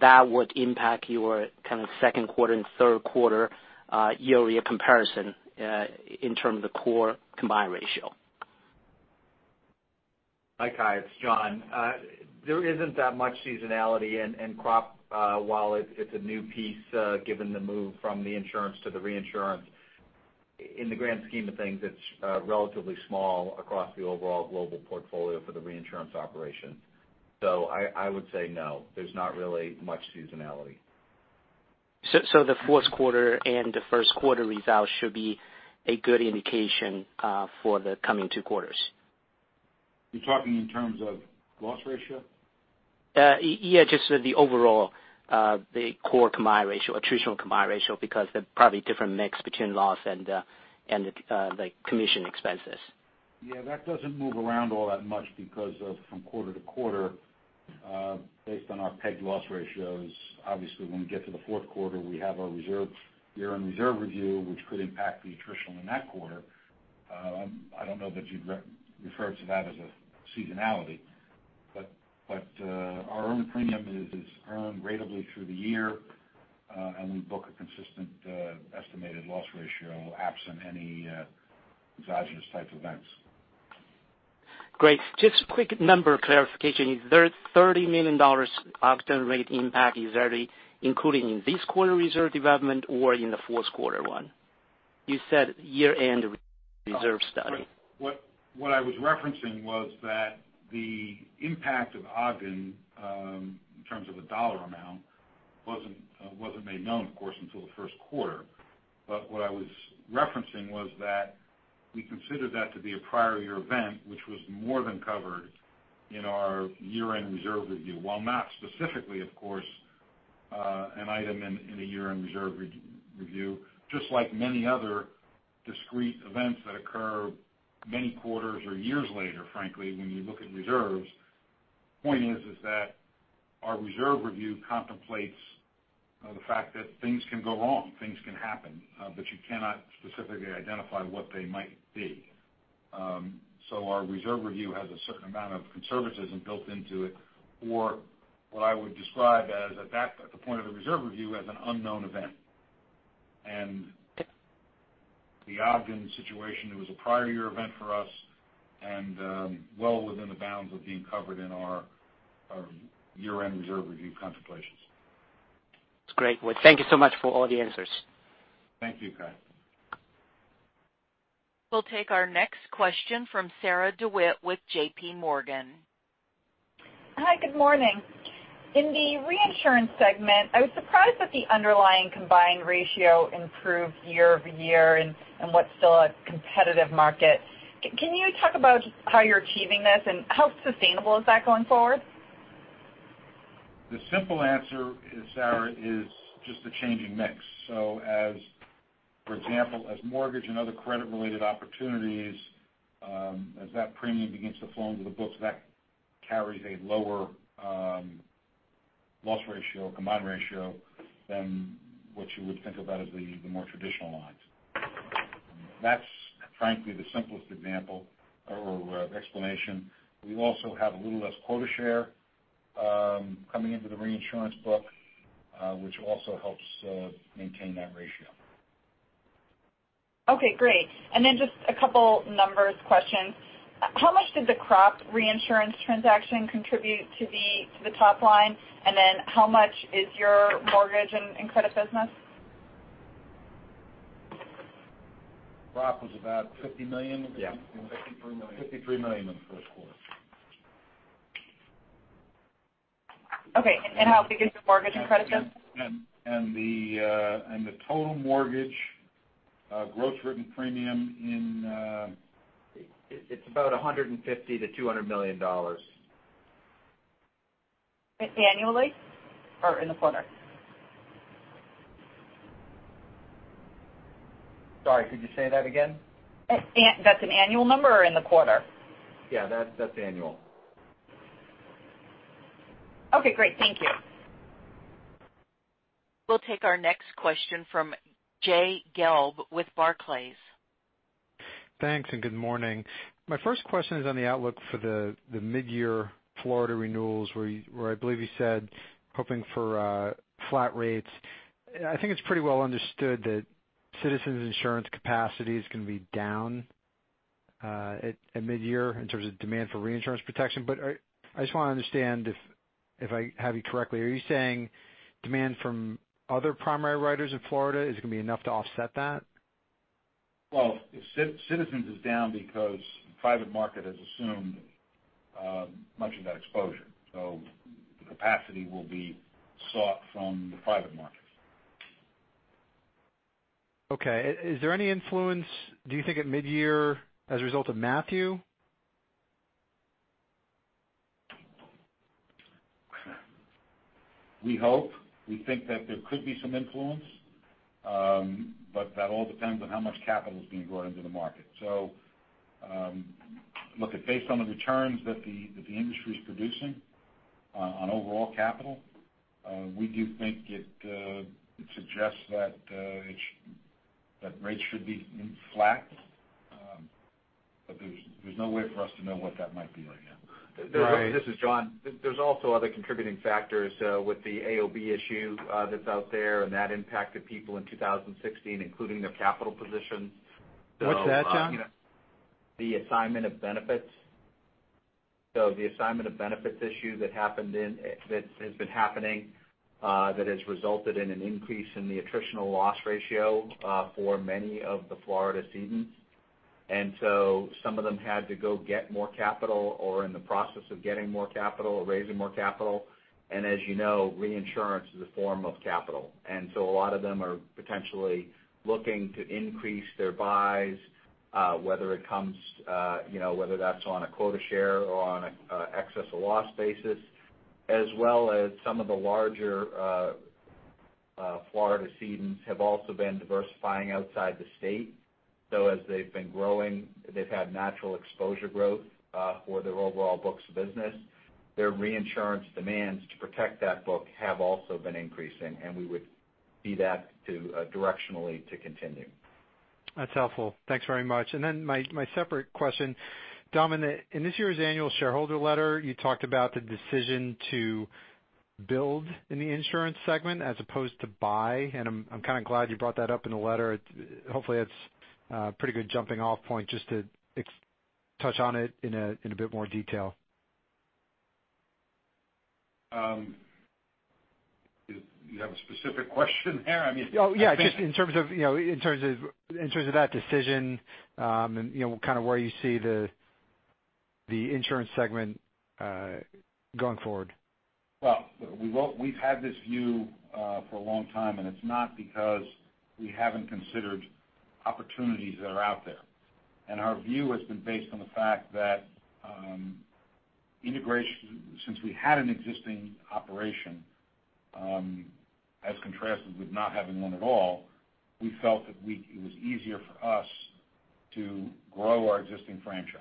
that would impact your kind of second quarter and third quarter year-over-year comparison in terms of the core combined ratio? Hi, Kai, it's John. There isn't that much seasonality in crop. While it's a new piece, given the move from the insurance to the reinsurance, in the grand scheme of things, it's relatively small across the overall global portfolio for the reinsurance operation. I would say, no, there's not really much seasonality. The fourth quarter and the first quarter results should be a good indication for the coming two quarters. You're talking in terms of loss ratio? Yeah, just the overall, the core combined ratio, attritional combined ratio because there's probably different mix between loss and the commission expenses. Yeah, that doesn't move around all that much because from quarter to quarter, based on our peg loss ratios, obviously when we get to the fourth quarter, we have our year-end reserve review, which could impact the attritional in that quarter. I don't know that you'd refer to that as a seasonality, but our earned premium is earned ratably through the year, and we book a consistent estimated loss ratio absent any exogenous type events. Great. Just quick number clarification. Is the $30 million Ogden rate impact is already including in this quarter reserve development or in the fourth quarter one? You said year-end reserve study. What I was referencing was that the impact of Ogden, in terms of the dollar amount, wasn't made known, of course, until the first quarter. What I was referencing was that we consider that to be a prior year event, which was more than covered in our year-end reserve review. While not specifically, of course, an item in a year-end reserve review, just like many other discrete events that occur many quarters or years later, frankly, when you look at reserves. The point is that our reserve review contemplates the fact that things can go wrong, things can happen, but you cannot specifically identify what they might be. Our reserve review has a certain amount of conservatism built into it for what I would describe as, at the point of the reserve review, as an unknown event. The Ogden situation, it was a prior year event for us, and well within the bounds of being covered in our year-end reserve review contemplations. That's great. Well, thank you so much for all the answers. Thank you, Kai. We'll take our next question from Sarah DeWitt with J.P. Morgan. Hi, good morning. In the reinsurance segment, I was surprised that the underlying combined ratio improved year-over-year in what's still a competitive market. Can you talk about how you're achieving this, and how sustainable is that going forward? The simple answer, Sarah, is just the changing mix. For example, as mortgage and other credit-related opportunities, as that premium begins to flow into the books, that carries a lower loss ratio, combined ratio, than what you would think about as the more traditional lines. That's frankly the simplest example or explanation. We also have a little less quota share coming into the reinsurance book, which also helps maintain that ratio. Okay, great. Just a couple numbers questions. How much did the crop reinsurance transaction contribute to the top line? How much is your mortgage and credit business? Crop was about $50 million? Yeah. $53 million. $53 million in the first quarter. Okay, how big is the mortgage and credit business? The total mortgage gross written premium. It's about $150 million-$200 million. Annually or in the quarter? Sorry, could you say that again? That's an annual number or in the quarter? Yeah, that's annual. Okay, great. Thank you. We'll take our next question from Jay Gelb with Barclays. Thanks and good morning. My first question is on the outlook for the mid-year Florida renewals, where I believe you said, hoping for flat rates. I think it's pretty well understood that Citizens' insurance capacity is going to be down at mid-year in terms of demand for reinsurance protection. I just want to understand if I have you correctly. Are you saying demand from other primary writers in Florida is going to be enough to offset that? Well, Citizens is down because the private market has assumed much of that exposure. The capacity will be sought from the private markets. Okay. Is there any influence, do you think at mid-year as a result of Matthew? We hope. We think that there could be some influence. That all depends on how much capital is being brought into the market. Look, based on the returns that the industry's producing on overall capital, we do think it suggests that rates should be flat. There's no way for us to know what that might be right now. This is John. There's other contributing factors with the AOB issue that's out there, that impacted people in 2016, including their capital positions. What's that, John? The assignment of benefits. The assignment of benefits issue that has been happening, that has resulted in an increase in the attritional loss ratio for many of the Florida cedants. Some of them had to go get more capital or are in the process of getting more capital or raising more capital. As you know, reinsurance is a form of capital. A lot of them are potentially looking to increase their buys, whether that's on a quota share or on excess-of-loss basis. Some of the larger Florida cedants have also been diversifying outside the state. As they've been growing, they've had natural exposure growth for their overall books of business. Their reinsurance demands to protect that book have also been increasing, we would see that directionally to continue. That's helpful. Thanks very much. My separate question. Dom, in this year's annual shareholder letter, you talked about the decision to build in the insurance segment as opposed to buy, I'm kind of glad you brought that up in the letter. Hopefully that's a pretty good jumping-off point just to touch on it in a bit more detail. Do you have a specific question there? I mean. Oh, yeah, just in terms of that decision, where you see the insurance segment going forward. Well, we've had this view for a long time, it's not because we haven't considered opportunities that are out there. Our view has been based on the fact that since we had an existing operation As contrasted with not having one at all, we felt that it was easier for us to grow our existing franchise.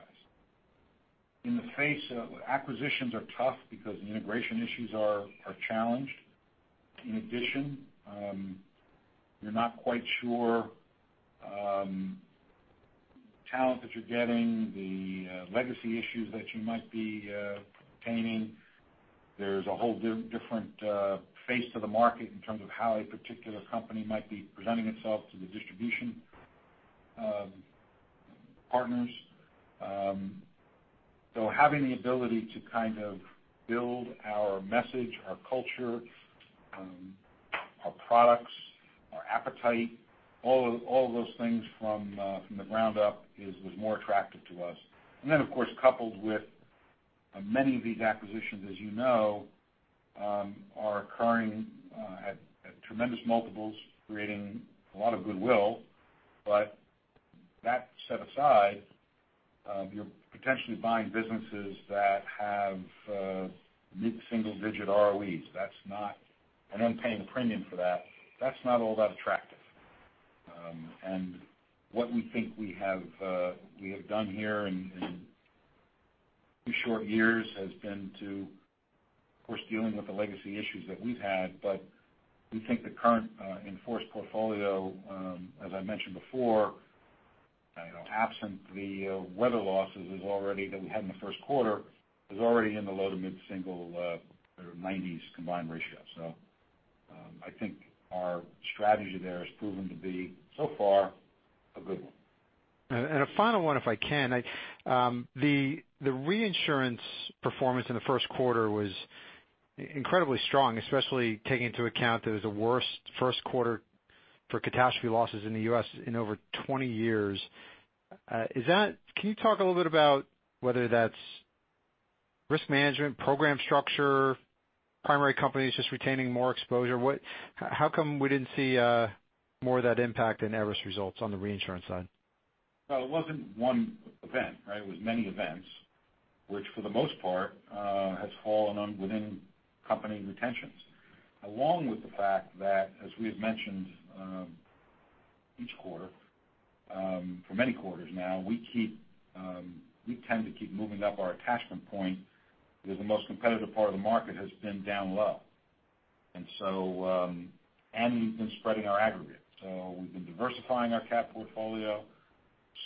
In the face of acquisitions are tough because integration issues are challenged. In addition, you're not quite sure the talent that you're getting, the legacy issues that you might be obtaining. There's a whole different face to the market in terms of how a particular company might be presenting itself to the distribution partners. Having the ability to build our message, our culture, our products, our appetite, all of those things from the ground up was more attractive to us. Of course, coupled with many of these acquisitions, as you know, are occurring at tremendous multiples, creating a lot of goodwill. That set aside, you're potentially buying businesses that have mid-single digit ROEs. Paying a premium for that. That's not all that attractive. What we think we have done here in two short years has been to, of course, dealing with the legacy issues that we've had, but we think the current in-force portfolio, as I mentioned before, absent the weather losses that we had in the first quarter, is already in the low to mid-single or 90s combined ratio. I think our strategy there has proven to be, so far, a good one. A final one if I can. The reinsurance performance in the first quarter was incredibly strong, especially taking into account that it was the worst first quarter for catastrophe losses in the U.S. in over 20 years. Can you talk a little bit about whether that's risk management, program structure, primary companies just retaining more exposure? How come we didn't see more of that impact in Everest's results on the reinsurance side? Well, it wasn't one event, right? It was many events, which for the most part has fallen within company retentions. Along with the fact that, as we have mentioned each quarter for many quarters now, we tend to keep moving up our attachment point because the most competitive part of the market has been down low. We've been spreading our aggregate. We've been diversifying our cat portfolio,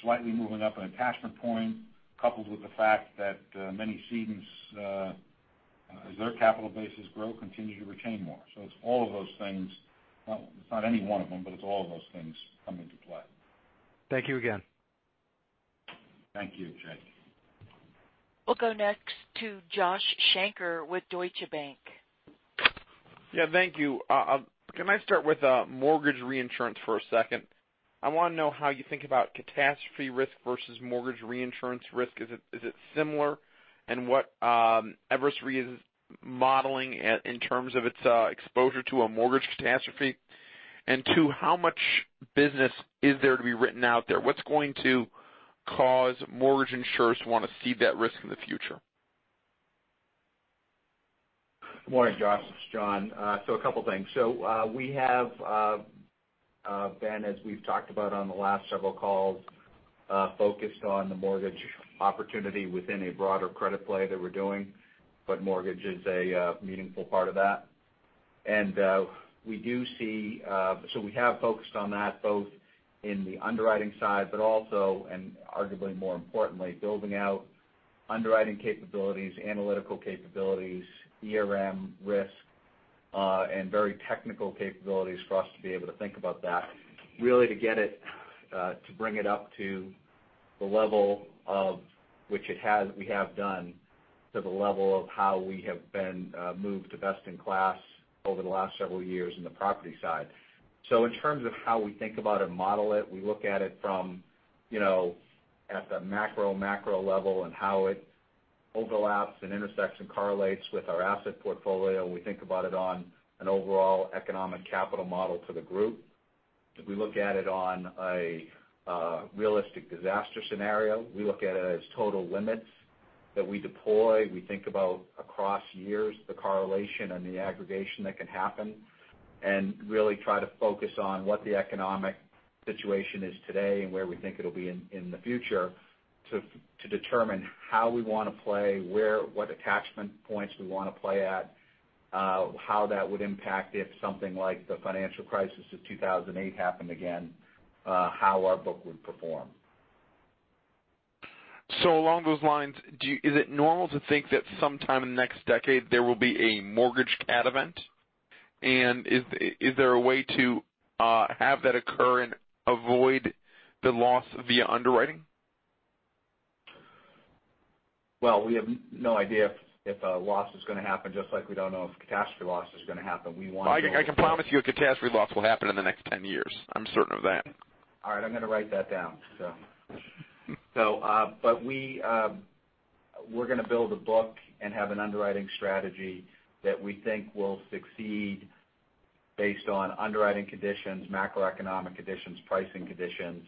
slightly moving up an attachment point, coupled with the fact that many cedents, as their capital bases grow, continue to retain more. It's all of those things. Well, it's not any one of them, it's all of those things come into play. Thank you again. Thank you, Jay. We'll go next to Joshua Shanker with Deutsche Bank. Yeah, thank you. Can I start with mortgage reinsurance for a second? I want to know how you think about catastrophe risk versus mortgage reinsurance risk. Is it similar? What Everest Re is modeling in terms of its exposure to a mortgage catastrophe? 2, how much business is there to be written out there? What's going to cause mortgage insurers to want to cede that risk in the future? Good morning, Josh. It's John. A couple things. We have been, as we've talked about on the last several calls, focused on the mortgage opportunity within a broader credit play that we're doing, but mortgage is a meaningful part of that. We have focused on that both in the underwriting side, but also, and arguably more importantly, building out underwriting capabilities, analytical capabilities, ERM risk, and very technical capabilities for us to be able to think about that, really to bring it up to the level of which we have done to the level of how we have been moved to best in class over the last several years in the property side. In terms of how we think about and model it, we look at it at the macro level and how it overlaps and intersects and correlates with our asset portfolio. We think about it on an overall economic capital model to the group. We look at it on a realistic disaster scenario. We look at it as total limits that we deploy. We think about across years, the correlation and the aggregation that can happen, and really try to focus on what the economic situation is today and where we think it'll be in the future to determine how we want to play, what attachment points we want to play at, how that would impact if something like the financial crisis of 2008 happened again, how our book would perform. Along those lines, is it normal to think that sometime in the next decade there will be a mortgage cat event? Is there a way to have that occur and avoid the loss via underwriting? Well, we have no idea if a loss is going to happen, just like we don't know if a catastrophe loss is going to happen. I can promise you a catastrophe loss will happen in the next 10 years. I'm certain of that. All right. I'm going to write that down. We're going to build a book and have an underwriting strategy that we think will succeed. Based on underwriting conditions, macroeconomic conditions, pricing conditions,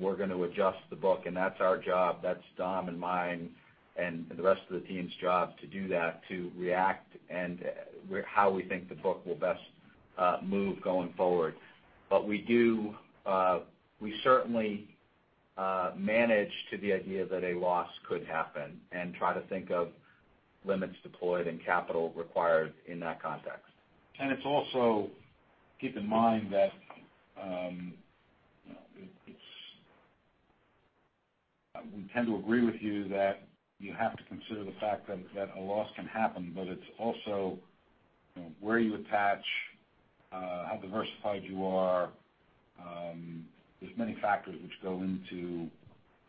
we're going to adjust the book, that's our job. That's Dom and mine and the rest of the team's job to do that, to react and how we think the book will best move going forward. We certainly manage to the idea that a loss could happen and try to think of limits deployed and capital required in that context. It's also, keep in mind that we tend to agree with you that you have to consider the fact that a loss can happen, it's also where you attach, how diversified you are. There's many factors which go into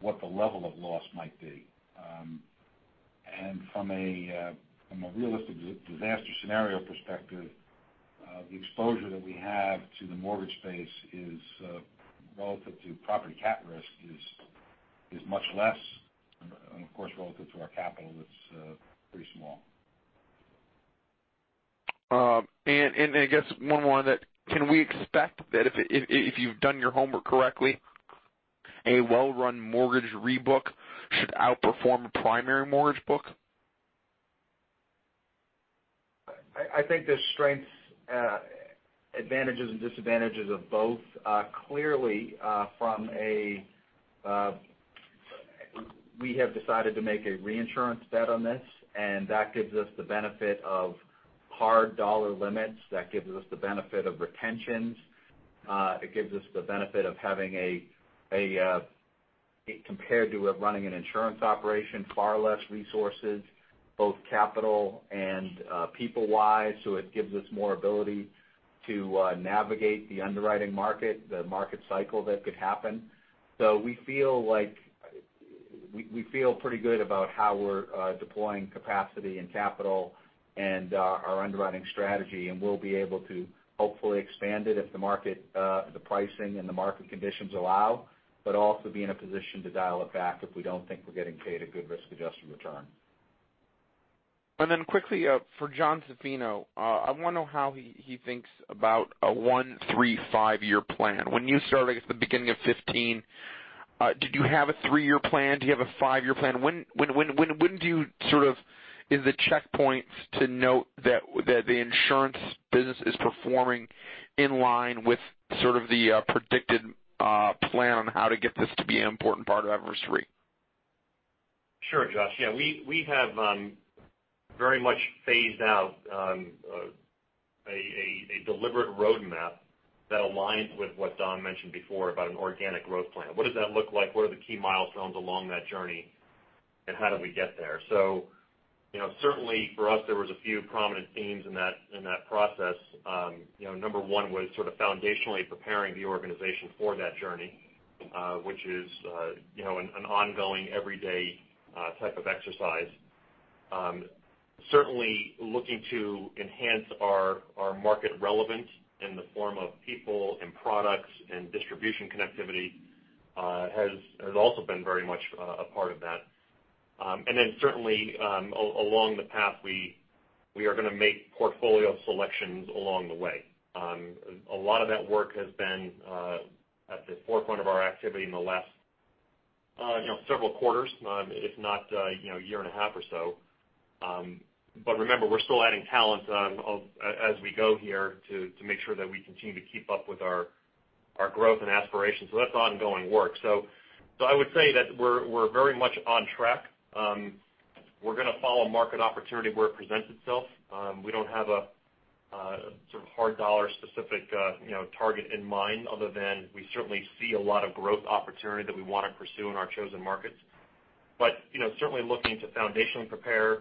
what the level of loss might be. From a realistic disaster scenario perspective, the exposure that we have to the mortgage space is relative to property cat risk is much less, of course, relative to our capital, it's pretty small. I guess one more on that, can we expect that if you've done your homework correctly, a well-run mortgage rebook should outperform a primary mortgage book? I think there's strengths, advantages, and disadvantages of both. Clearly, we have decided to make a reinsurance bet on this, that gives us the benefit of hard dollar limits. That gives us the benefit of retentions. It gives us the benefit of having, compared to running an insurance operation, far less resources, both capital and people-wise, it gives us more ability to navigate the underwriting market, the market cycle that could happen. We feel pretty good about how we're deploying capacity and capital and our underwriting strategy, we'll be able to hopefully expand it if the pricing and the market conditions allow, also be in a position to dial it back if we don't think we're getting paid a good risk-adjusted return. Quickly for John Zaffino, I want to know how he thinks about a one, three, five-year plan. When you started at the beginning of 2015, did you have a three-year plan? Do you have a five-year plan? When are the checkpoints to note that the insurance business is performing in line with sort of the predicted plan on how to get this to be an important part of Everest Re? Sure, Josh. Yeah, we have very much phased out a deliberate roadmap that aligns with what Dom mentioned before about an organic growth plan. What does that look like? What are the key milestones along that journey, and how do we get there? Certainly for us, there was a few prominent themes in that process. Number one was sort of foundationally preparing the organization for that journey, which is an ongoing, everyday type of exercise. Certainly looking to enhance our market relevance in the form of people and products and distribution connectivity has also been very much a part of that. Certainly along the path, we are going to make portfolio selections along the way. A lot of that work has been at the forefront of our activity in the last several quarters, if not a year and a half or so. Remember, we're still adding talent as we go here to make sure that we continue to keep up with our growth and aspirations. That's ongoing work. I would say that we're very much on track. We're going to follow market opportunity where it presents itself. We don't have a sort of hard dollar specific target in mind other than we certainly see a lot of growth opportunity that we want to pursue in our chosen markets. Certainly looking to foundationally prepare,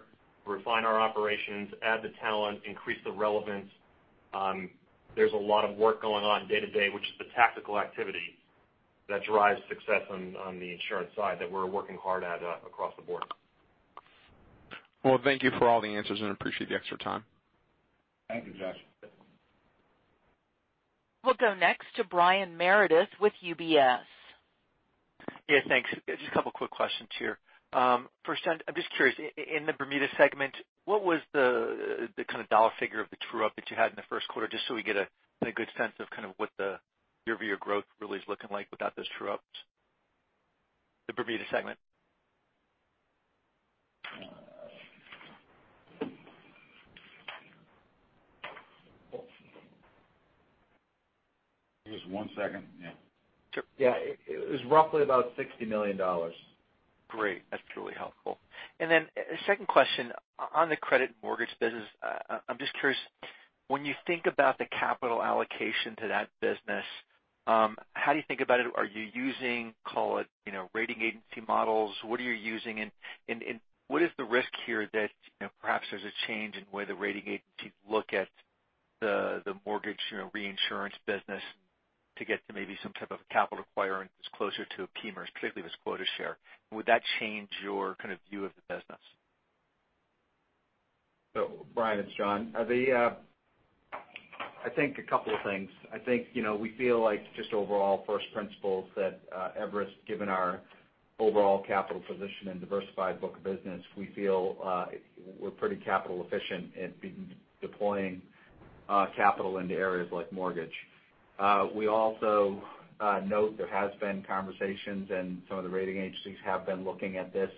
refine our operations, add the talent, increase the relevance. There's a lot of work going on day to day, which is the tactical activity that drives success on the insurance side that we're working hard at across the board. Well, thank you for all the answers and appreciate the extra time. Thank you, Josh. We'll go next to Brian Meredith with UBS. Yeah, thanks. Just a couple of quick questions here. First, I'm just curious, in the Bermuda segment, what was the kind of dollar figure of the true-up that you had in the first quarter, just so we get a good sense of kind of what your view of growth really is looking like without those true-ups? The Bermuda segment. Give us one second. Yeah. Yeah. It was roughly about $60 million. Great. That's truly helpful. Second question on the credit mortgage business, I'm just curious, when you think about the capital allocation to that business, how do you think about it? Are you using, call it, rating agency models? What are you using, and what is the risk here that perhaps there's a change in the way the rating agencies look at the mortgage reinsurance business to get to maybe some type of capital requirement that's closer to a PMIERs or particularly with quota share? Would that change your kind of view of the business? So Brian, it's John. I think a couple of things. We feel like just overall first principles that Everest, given our Overall capital position and diversified book of business, we feel we're pretty capital efficient at deploying capital into areas like mortgage. We also note there has been conversations, and some of the rating agencies have been looking at this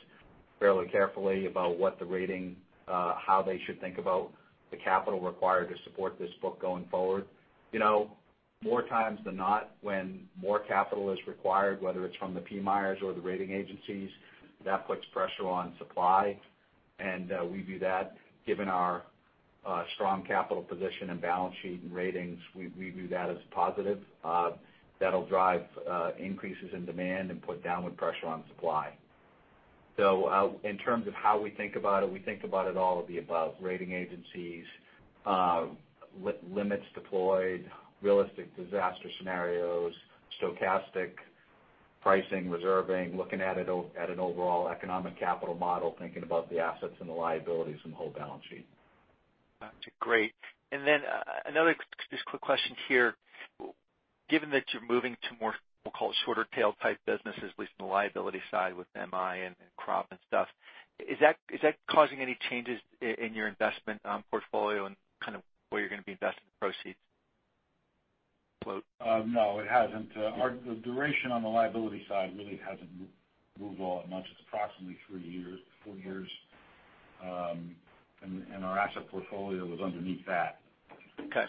fairly carefully about what the rating, how they should think about the capital required to support this book going forward. More times than not, when more capital is required, whether it's from the PMIERs or the rating agencies, that puts pressure on supply. We view that, given our strong capital position and balance sheet and ratings, we view that as a positive. That'll drive increases in demand and put downward pressure on supply. In terms of how we think about it, we think about it all of the above. Rating agencies, limits deployed, realistic disaster scenarios, stochastic pricing, reserving, looking at an overall economic capital model, thinking about the assets and the liabilities and the whole balance sheet. Got you. Great. Another just quick question here. Given that you're moving to more, we'll call it shorter tail type businesses, at least in the liability side with MI and crop and stuff, is that causing any changes in your investment portfolio and kind of where you're going to be investing the proceeds? No, it hasn't. The duration on the liability side really hasn't moved all that much. It's approximately three years, four years. Our asset portfolio was underneath that. Okay.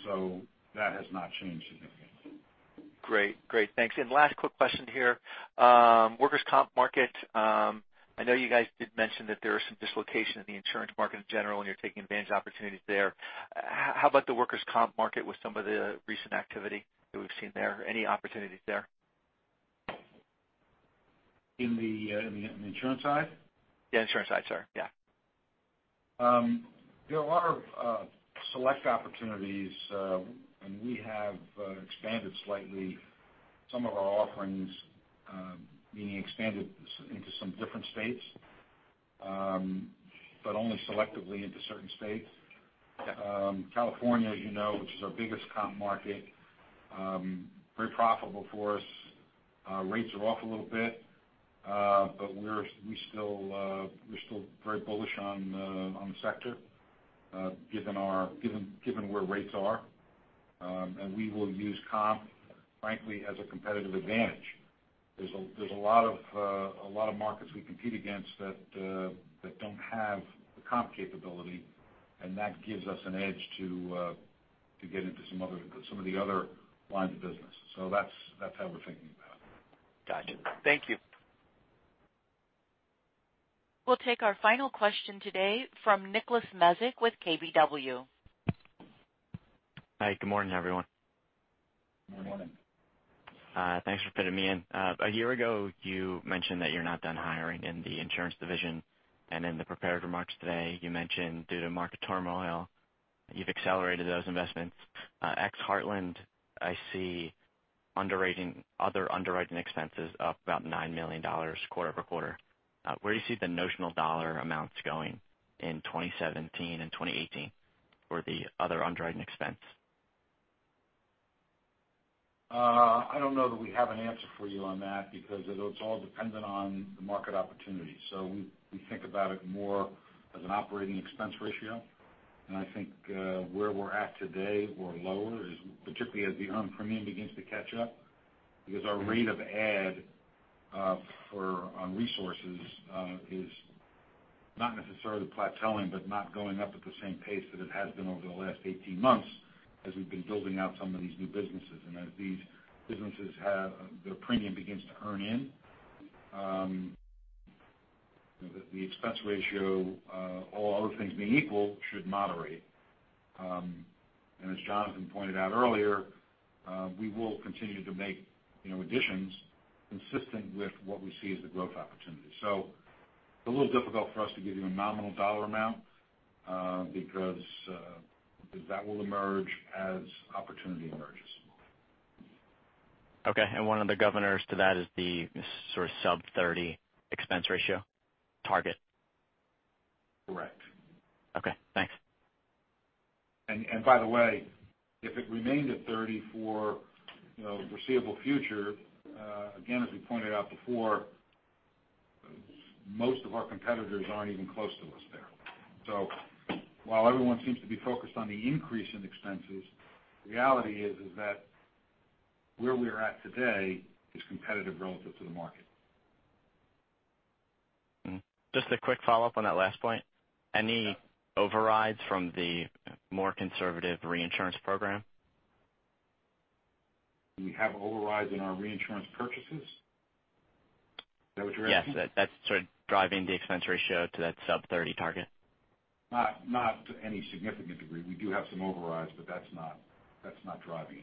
That has not changed significantly. Great. Thanks. Last quick question here. Workers' comp market, I know you guys did mention that there is some dislocation in the insurance market in general, and you're taking advantage of opportunities there. How about the workers' comp market with some of the recent activity that we've seen there? Any opportunities there? In the insurance side? The insurance side, sir. Yeah. There are select opportunities, and we have expanded slightly some of our offerings, meaning expanded into some different states. Only selectively into certain states. California, as you know, which is our biggest comp market, very profitable for us. Rates are off a little bit. We're still very bullish on the sector given where rates are. We will use comp, frankly, as a competitive advantage. There's a lot of markets we compete against that don't have the comp capability, and that gives us an edge to get into some of the other lines of business. That's how we're thinking about it. Got you. Thank you. We'll take our final question today from Meyer Shields with KBW. Hi, good morning, everyone. Good morning. Thanks for fitting me in. A year ago, you mentioned that you're not done hiring in the Insurance Division, and in the prepared remarks today, you mentioned due to market turmoil, you've accelerated those investments. Ex Heartland, I see other underwriting expenses up about $9 million quarter-over-quarter. Where do you see the notional dollar amounts going in 2017 and 2018 for the other underwriting expense? I don't know that we have an answer for you on that because it's all dependent on the market opportunity. We think about it more as an operating expense ratio. I think where we're at today, we're lower, particularly as the earned premium begins to catch up, because our rate of add-on resources is not necessarily plateauing, but not going up at the same pace that it has been over the last 18 months as we've been building out some of these new businesses. As these businesses have their premium begins to earn in, the expense ratio, all other things being equal, should moderate. As Jonathan pointed out earlier, we will continue to make additions consistent with what we see as the growth opportunity. It's a little difficult for us to give you a nominal dollar amount because that will emerge as opportunity emerges. Okay. One of the governors to that is the sort of sub 30 expense ratio target? Correct. Okay, thanks. By the way, if it remained at 30 for the foreseeable future, again, as we pointed out before, most of our competitors aren't even close to us there. While everyone seems to be focused on the increase in expenses, the reality is that where we're at today is competitive relative to the market. Just a quick follow-up on that last point. Any overrides from the more conservative reinsurance program? We have overrides in our reinsurance purchases? Is that what you're asking? Yes. That's sort of driving the expense ratio to that sub 30 target. Not to any significant degree. We do have some overrides, but that's not driving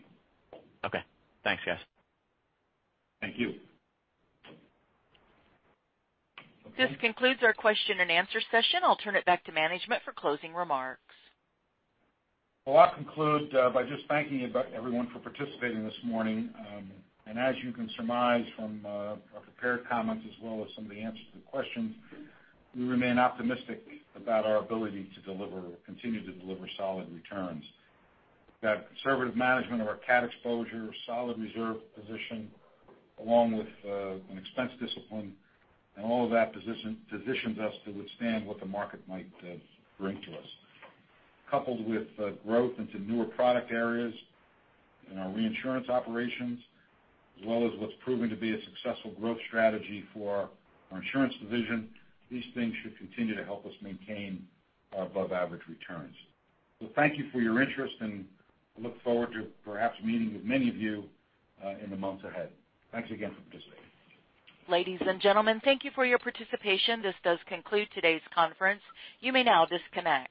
it. Okay. Thanks, guys. Thank you. This concludes our question and answer session. I'll turn it back to management for closing remarks. I'll conclude by just thanking everyone for participating this morning. As you can surmise from our prepared comments as well as some of the answers to questions, we remain optimistic about our ability to continue to deliver solid returns. We've got conservative management of our cat exposure, solid reserve position, along with an expense discipline, and all of that positions us to withstand what the market might bring to us. Coupled with growth into newer product areas in our reinsurance operations, as well as what's proven to be a successful growth strategy for our insurance division, these things should continue to help us maintain our above-average returns. Thank you for your interest, and I look forward to perhaps meeting with many of you in the months ahead. Thanks again for participating. Ladies and gentlemen, thank you for your participation. This does conclude today's conference. You may now disconnect.